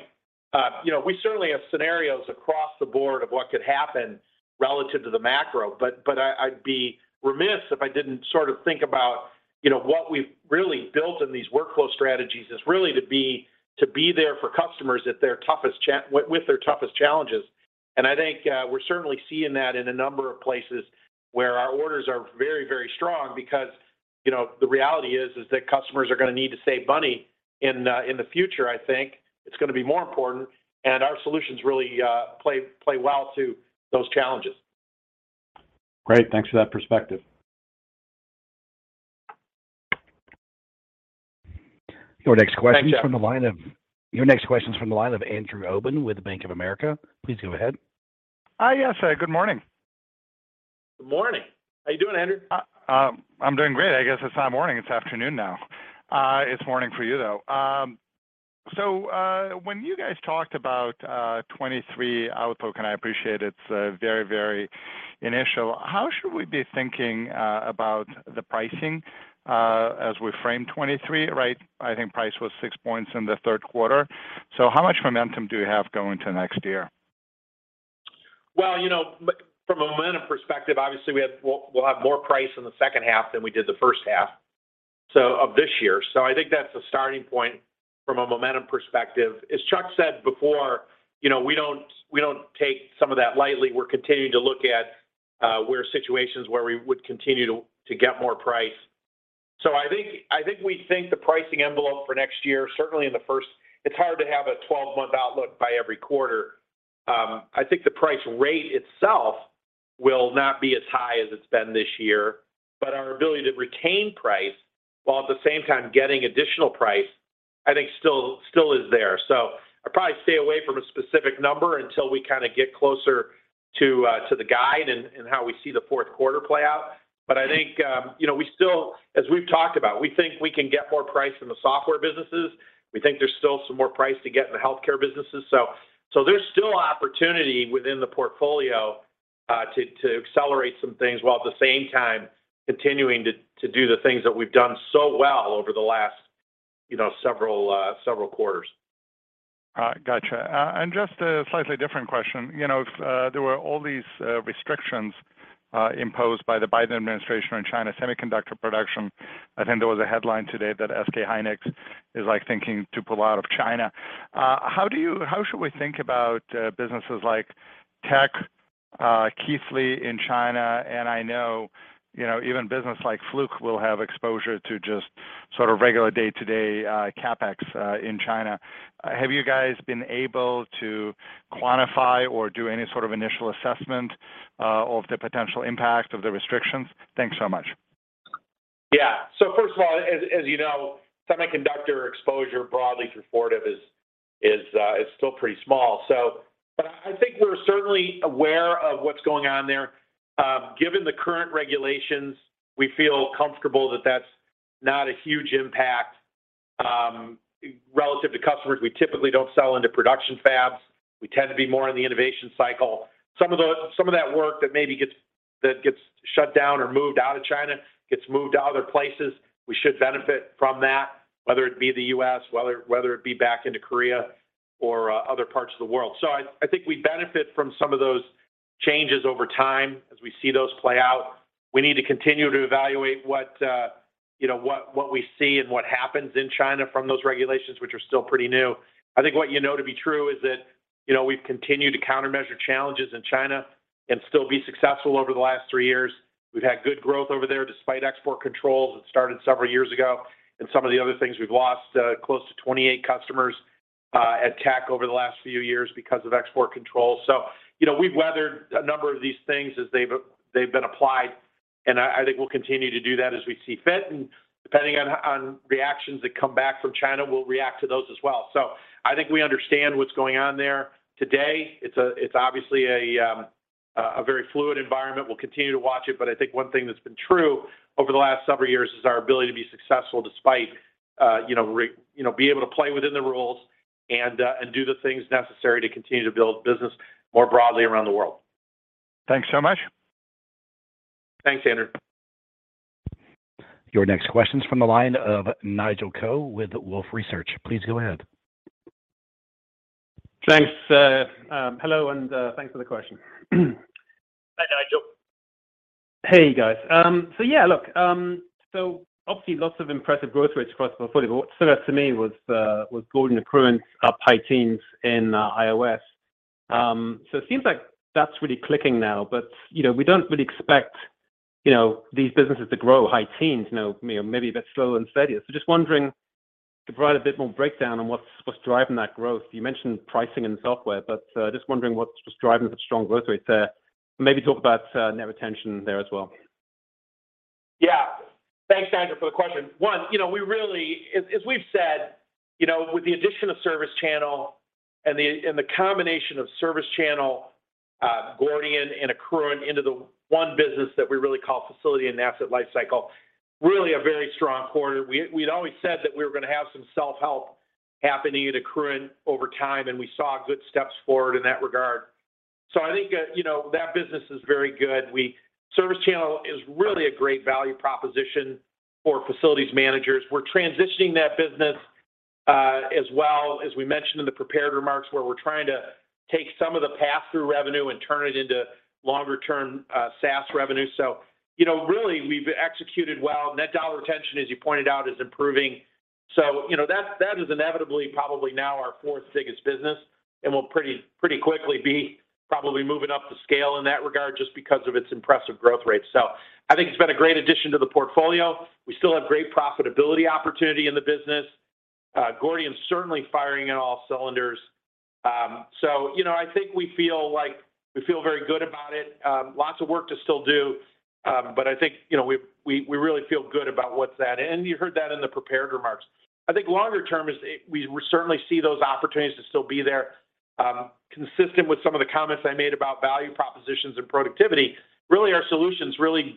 you know, we certainly have scenarios across the board of what could happen relative to the macro, but I'd be remiss if I didn't sort of think about, you know, what we've really built in these workflow strategies is really to be there for customers at their toughest with their toughest challenges. I think, we're certainly seeing that in a number of places where our orders are very, very strong because, you know, the reality is that customers are gonna need to save money in the future, I think. It's gonna be more important, and our solutions really play well to those challenges. Great. Thanks for that perspective. Your next question is from the line of. Thanks, Jeff. Your next question is from the line of Andrew Obin with Bank of America. Please go ahead. Yes. Good morning. Good morning. How you doing, Andrew? I'm doing great. I guess it's not morning, it's afternoon now. It's morning for you though. When you guys talked about 2023 outlook, and I appreciate it's very, very initial, how should we be thinking about the pricing as we frame 2023, right? I think price was 6 points in the third quarter. How much momentum do we have going to next year? Well, you know, from a momentum perspective, obviously we'll have more price in the second half than we did the first half, so of this year. I think that's a starting point from a momentum perspective. As Chuck said before, you know, we don't take some of that lightly. We're continuing to look at where situations where we would continue to get more price. I think we think the pricing envelope for next year, certainly in the first. It's hard to have a twelve-month outlook by every quarter. I think the price rate itself will not be as high as it's been this year, but our ability to retain price while at the same time getting additional price, I think still is there. I'd probably stay away from a specific number until we kinda get closer to the guide and how we see the fourth quarter play out. I think you know, we still, as we've talked about, we think we can get more price in the software businesses. We think there's still some more price to get in the healthcare businesses. There's still opportunity within the portfolio to accelerate some things while at the same time continuing to do the things that we've done so well over the last, you know, several quarters. All right. Gotcha. Just a slightly different question. You know, if there were all these restrictions imposed by the Biden administration on China semiconductor production. I think there was a headline today that SK hynix is like thinking to pull out of China. How should we think about businesses like Tektronix, Keithley in China? And I know, you know, even business like Fluke will have exposure to just sort of regular day-to-day CapEx in China. Have you guys been able to quantify or do any sort of initial assessment of the potential impact of the restrictions? Thanks so much. Yeah. First of all, as you know, semiconductor exposure broadly through Fortive is still pretty small. But I think we're certainly aware of what's going on there. Given the current regulations, we feel comfortable that that's not a huge impact. Relative to customers, we typically don't sell into production fabs. We tend to be more in the innovation cycle. Some of that work that maybe gets shut down or moved out of China gets moved to other places, we should benefit from that, whether it be the U.S., whether it be back into Korea or other parts of the world. I think we benefit from some of those changes over time as we see those play out. We need to continue to evaluate what, you know, what we see and what happens in China from those regulations, which are still pretty new. I think what you know to be true is that, you know, we've continued to countermeasure challenges in China and still be successful over the last three years. We've had good growth over there despite export controls that started several years ago and some of the other things. We've lost close to 28 customers at Tektronix over the last few years because of export controls. You know, we've weathered a number of these things as they've been applied. I think we'll continue to do that as we see fit. Depending on reactions that come back from China, we'll react to those as well. I think we understand what's going on there today. It's obviously a very fluid environment. We'll continue to watch it, but I think one thing that's been true over the last several years is our ability to be successful despite, you know, be able to play within the rules and do the things necessary to continue to build business more broadly around the world. Thanks so much. Thanks, Andrew. Your next question is from the line of Nigel Coe with Wolfe Research. Please go ahead. Thanks. Hello, and thanks for the question. Hi, Nigel. Hey, guys. Yeah, look, so obviously lots of impressive growth rates across the portfolio. What stood out to me was Gordian, Accruent up high teens in IOS. It seems like that's really clicking now, but, you know, we don't really expect, you know, these businesses to grow high teens. You know, maybe a bit slower and steadier. Just wondering if you could provide a bit more breakdown on what's driving that growth. You mentioned pricing and software, but, just wondering what's driving such strong growth rates there. Maybe talk about net retention there as well. Yeah. Thanks, Nigel, for the question. One, you know, we really. As we've said, you know, with the addition of ServiceChannel and the combination of ServiceChannel, Gordian and Accruent into the one business that we really call Facility and Asset Lifecycle, really a very strong quarter. We'd always said that we were gonna have some self-help happening at Accruent over time, and we saw good steps forward in that regard. I think, you know, that business is very good. ServiceChannel is really a great value proposition for facilities managers. We're transitioning that business, as well as we mentioned in the prepared remarks, where we're trying to take some of the passthrough revenue and turn it into longer-term, SaaS revenue. You know, really we've executed well. Net dollar retention, as you pointed out, is improving. You know, that is inevitably probably now our fourth biggest business and will pretty quickly be probably moving up the scale in that regard just because of its impressive growth rate. I think it's been a great addition to the portfolio. We still have great profitability opportunity in the business. Gordian's certainly firing on all cylinders. You know, I think we feel very good about it. Lots of work to still do. I think, you know, we really feel good about what's that. You heard that in the prepared remarks. I think longer term is we certainly see those opportunities to still be there. Consistent with some of the comments I made about value propositions and productivity, really our solutions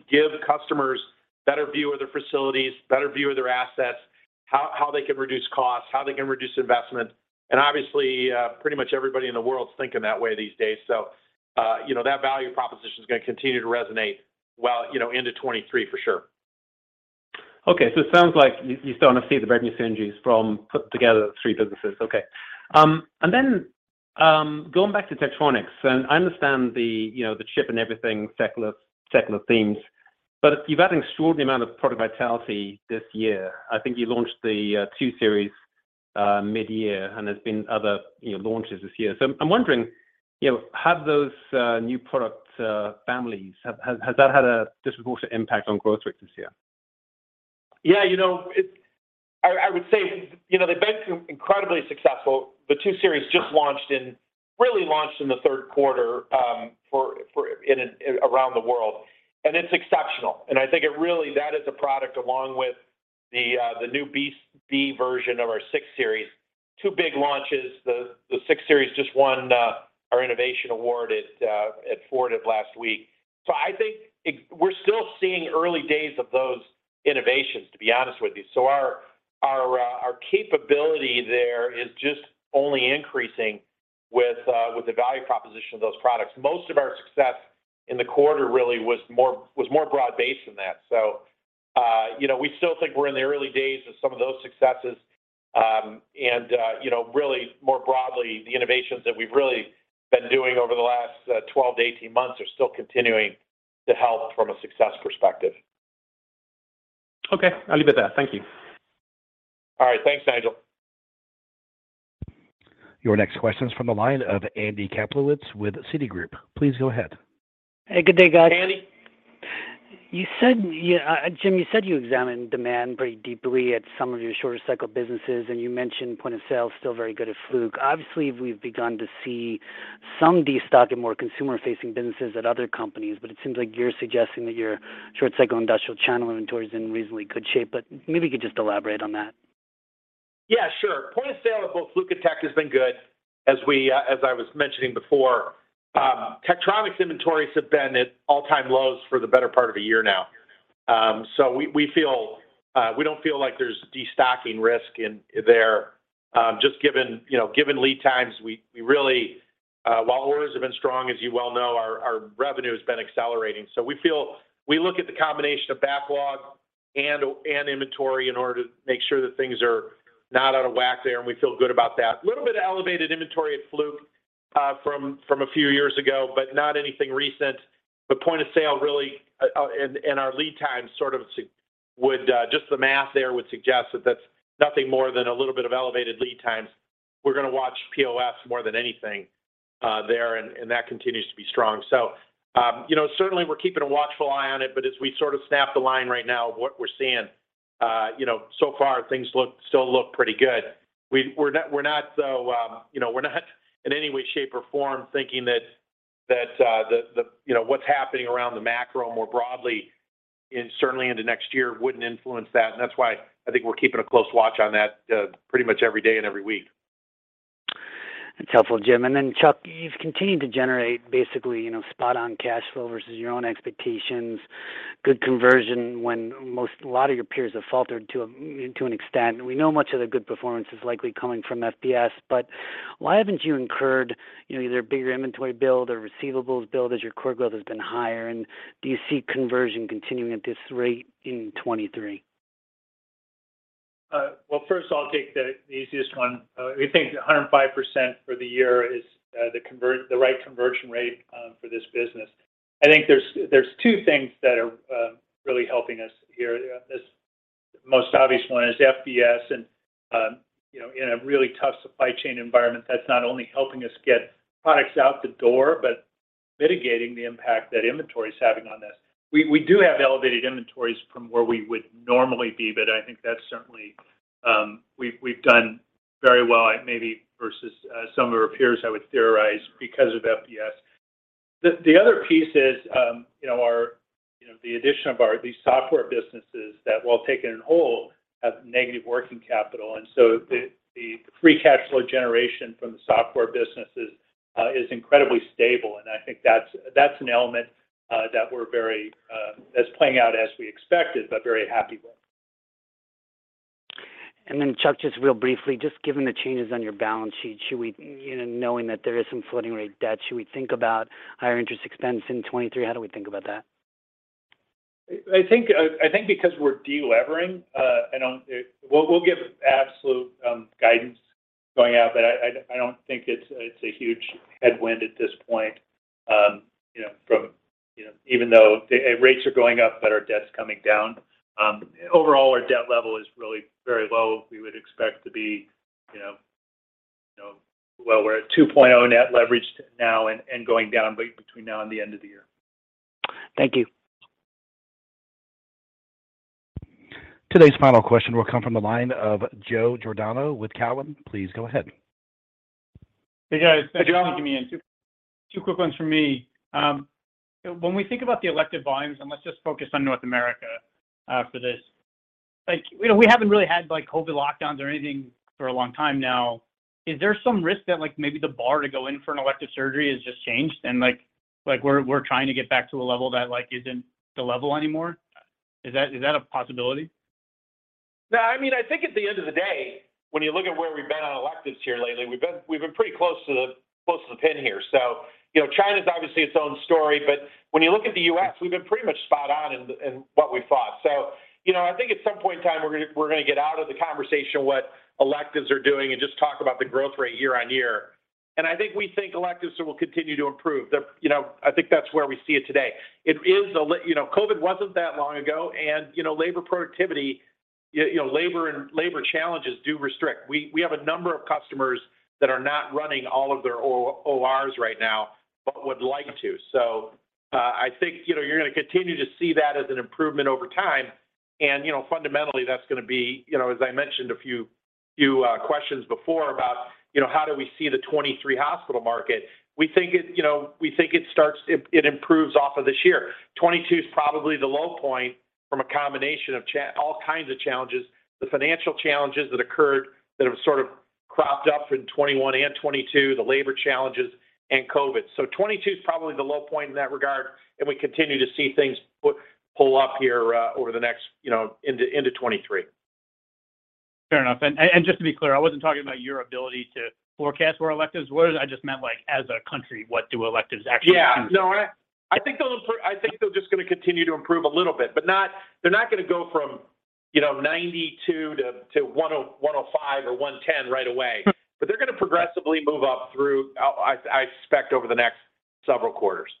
give customers better view of their facilities, better view of their assets, how they can reduce costs, how they can reduce investment, and obviously, pretty much everybody in the world's thinking that way these days. You know, that value proposition is gonna continue to resonate well, you know, into 2023 for sure. Okay. It sounds like you still wanna see the synergies from putting together the three businesses. Okay. And then, going back to Tektronix, I understand the, you know, the chip and everything, secular themes, but you've had an extraordinary amount of product vitality this year. I think you launched the 2 Series midyear, and there's been other, you know, launches this year. I'm wondering, you know, have those new product families had a disproportionate impact on growth rates this year? Yeah, you know, I would say, you know, they've been incredibly successful. The 2 Series just really launched in the third quarter around the world, and it's exceptional. I think, really, that is a product along with the new 6 Series B version of our 6 Series. Two big launches. The 6 Series just won our innovation award at Fortive last week. I think we're still seeing early days of those innovations, to be honest with you. Our capability there is just only increasing with the value proposition of those products. Most of our success in the quarter really was more broad-based than that. You know, we still think we're in the early days of some of those successes. You know, really more broadly, the innovations that we've really been doing over the last 12-18 months are still continuing to help from a success perspective. Okay. I'll leave it there. Thank you. All right. Thanks, Nigel. Your next question is from the line of Andy Kaplowitz with Citigroup. Please go ahead. Hey, good day, guys. Hey, Andy. You said, Jim, you said you examined demand pretty deeply at some of your shorter cycle businesses, and you mentioned point of sale is still very good at Fluke. Obviously, we've begun to see some destocking, more consumer-facing businesses at other companies, but it seems like you're suggesting that your short cycle industrial channel inventory is in reasonably good shape. Maybe you could just elaborate on that. Yeah, sure. Point of sale at both Fluke and Tektronix has been good, as I was mentioning before. Tektronix inventories have been at all-time lows for the better part of a year now. So we don't feel like there's destocking risk in there. Just given, you know, lead times, while orders have been strong, as you well know, our revenue's been accelerating. So we feel we look at the combination of backlog and inventory in order to make sure that things are not out of whack there, and we feel good about that. A little bit of elevated inventory at Fluke, from a few years ago, but not anything recent. Point of sale really, and our lead time sort of would just the math there would suggest that that's nothing more than a little bit of elevated lead times. We're gonna watch POS more than anything, there, and that continues to be strong. You know, certainly we're keeping a watchful eye on it. As we sort of snap the line right now of what we're seeing, you know, so far things still look pretty good. We're not so, you know, we're not in any way, shape, or form thinking that the, you know, what's happening around the macro more broadly and certainly into next year wouldn't influence that. That's why I think we're keeping a close watch on that, pretty much every day and every week. That's helpful, Jim. Then Chuck, you've continued to generate basically, you know, spot on cash flow versus your own expectations, good conversion when most, a lot of your peers have faltered to an extent. We know much of the good performance is likely coming from FBS. Why haven't you incurred, you know, either a bigger inventory build or receivables build as your core growth has been higher? Do you see conversion continuing at this rate in 2023? Well, first of all, I'll take the easiest one. We think 105% for the year is the right conversion rate for this business. I think there's two things that are really helping us here. This most obvious one is FBS and, you know, in a really tough supply chain environment that's not only helping us get products out the door, but mitigating the impact that inventory is having on this. We do have elevated inventories from where we would normally be, but I think that's certainly. We've done very well maybe versus some of our peers, I would theorize, because of FBS. The other piece is, you know, our, you know, the addition of these software businesses that while taken in whole, have negative working capital. The free cash flow generation from the software businesses is incredibly stable. I think that's an element that's playing out as we expected, but very happy with. Chuck, just real briefly, just given the changes on your balance sheet, should we, you know, knowing that there is some floating rate debt, should we think about higher interest expense in 2023? How do we think about that? I think because we're de-levering, we'll give absolute guidance going out, but I don't think it's a huge headwind at this point. You know, from, you know, even though rates are going up, but our debt's coming down. Overall, our debt level is really very low. We would expect to be, you know. Well, we're at 2.0 net leverage now and going down between now and the end of the year. Thank you. Today's final question will come from the line of Joe Giordano with Cowen. Please go ahead. Hey, guys. Hi, Joe. Thank you for taking me in. Two quick ones from me. When we think about the elective volumes, and let's just focus on North America, for this. Like, you know, we haven't really had, like, COVID lockdowns or anything for a long time now. Is there some risk that, like, maybe the bar to go in for an elective surgery has just changed and, like, we're trying to get back to a level that, like, isn't the level anymore? Is that a possibility? No, I mean, I think at the end of the day, when you look at where we've been on electives here lately, we've been pretty close to the pin here. China's obviously its own story. But when you look at the US, we've been pretty much spot on in what we thought. You know, I think at some point in time, we're gonna get out of the conversation what electives are doing and just talk about the growth rate year-on-year. I think we think electives will continue to improve. You know, I think that's where we see it today. It is a. You know, COVID wasn't that long ago, you know, labor productivity, you know, labor and labor challenges do restrict. We have a number of customers that are not running all of their ORs right now, but would like to. I think, you know, you're gonna continue to see that as an improvement over time. You know, fundamentally, that's gonna be, you know, as I mentioned a few questions before about, you know, how do we see the 2023 hospital market? We think it improves off of this year. 2022 is probably the low point from a combination of all kinds of challenges, the financial challenges that occurred that have sort of cropped up in 2021 and 2022, the labor challenges, and COVID. 2022 is probably the low point in that regard, and we continue to see things pull up here over the next, you know, into 2023. Fair enough. Just to be clear, I wasn't talking about your ability to forecast where electives was. I just meant, like, as a country, what do electives actually do? No, I think they're just gonna continue to improve a little bit, but they're not gonna go from, you know, 92%-105% or 110% right away. They're gonna progressively move up through, I expect, over the next several quarters.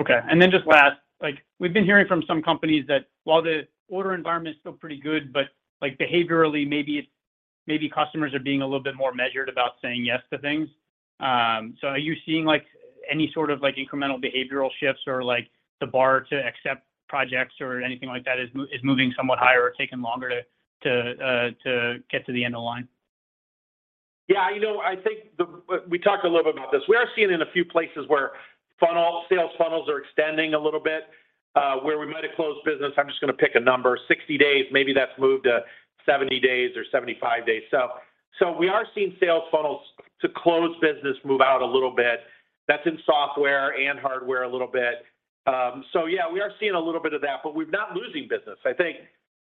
Okay. Just last. Like, we've been hearing from some companies that while the order environment is still pretty good, but, like, behaviorally, maybe customers are being a little bit more measured about saying yes to things. Are you seeing, like, any sort of, like, incremental behavioral shifts or, like, the bar to accept projects or anything like that is moving somewhat higher or taking longer to get to the end of the line? Yeah, you know, I think we talked a little bit about this. We are seeing in a few places where funnel, sales funnels are extending a little bit, where we might have closed business. I'm just gonna pick a number. 60 days, maybe that's moved to 70 days or 75 days. So we are seeing sales funnels to close business move out a little bit. That's in software and hardware a little bit. Yeah, we are seeing a little bit of that, but we're not losing business. I think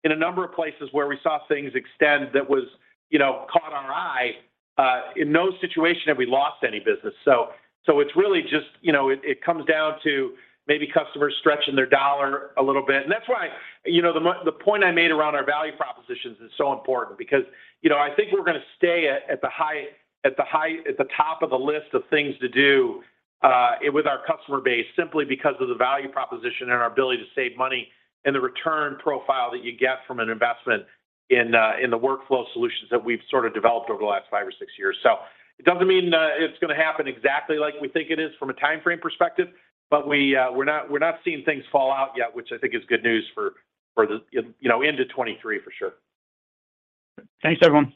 in a number of places where we saw things extend that was, you know, caught our eye, in no situation have we lost any business. So it's really just, you know, it comes down to maybe customers stretching their dollar a little bit. That's why, you know, the point I made around our value propositions is so important because, you know, I think we're gonna stay at the top of the list of things to do with our customer base simply because of the value proposition and our ability to save money and the return profile that you get from an investment in the workflow solutions that we've sort of developed over the last five or six years. It doesn't mean it's gonna happen exactly like we think it is from a time frame perspective, but we're not seeing things fall out yet, which I think is good news for the, you know, into 2023 for sure. Thanks, everyone.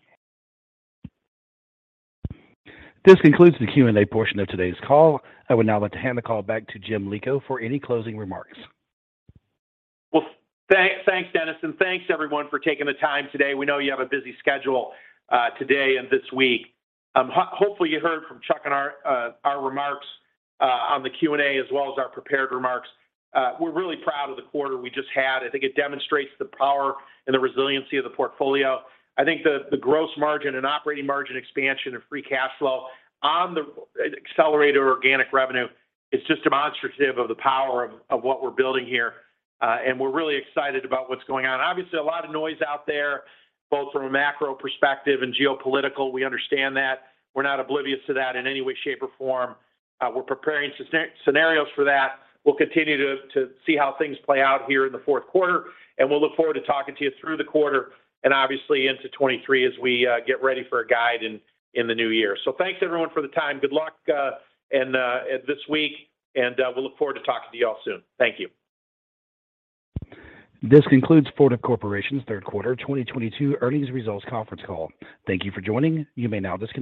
This concludes the Q&A portion of today's call. I would now like to hand the call back to Jim Lico for any closing remarks. Thanks, Dennis. Thanks everyone for taking the time today. We know you have a busy schedule today and this week. Hopefully, you heard from Chuck and our remarks on the Q&A as well as our prepared remarks. We're really proud of the quarter we just had. I think it demonstrates the power and the resiliency of the portfolio. I think the gross margin and operating margin expansion of free cash flow on the accelerated organic revenue is just demonstrative of the power of what we're building here. We're really excited about what's going on. Obviously, a lot of noise out there, both from a macro perspective and geopolitical. We understand that. We're not oblivious to that in any way, shape, or form. We're preparing scenarios for that. We'll continue to see how things play out here in the fourth quarter, and we'll look forward to talking to you through the quarter and obviously into 2023 as we get ready for a guide in the new year. Thanks everyone for the time. Good luck and this week, and we look forward to talking to you all soon. Thank you. This concludes Fortive Corporation's Third Quarter 2022 Earnings Results Conference Call. Thank you for joining. You may now disconnect.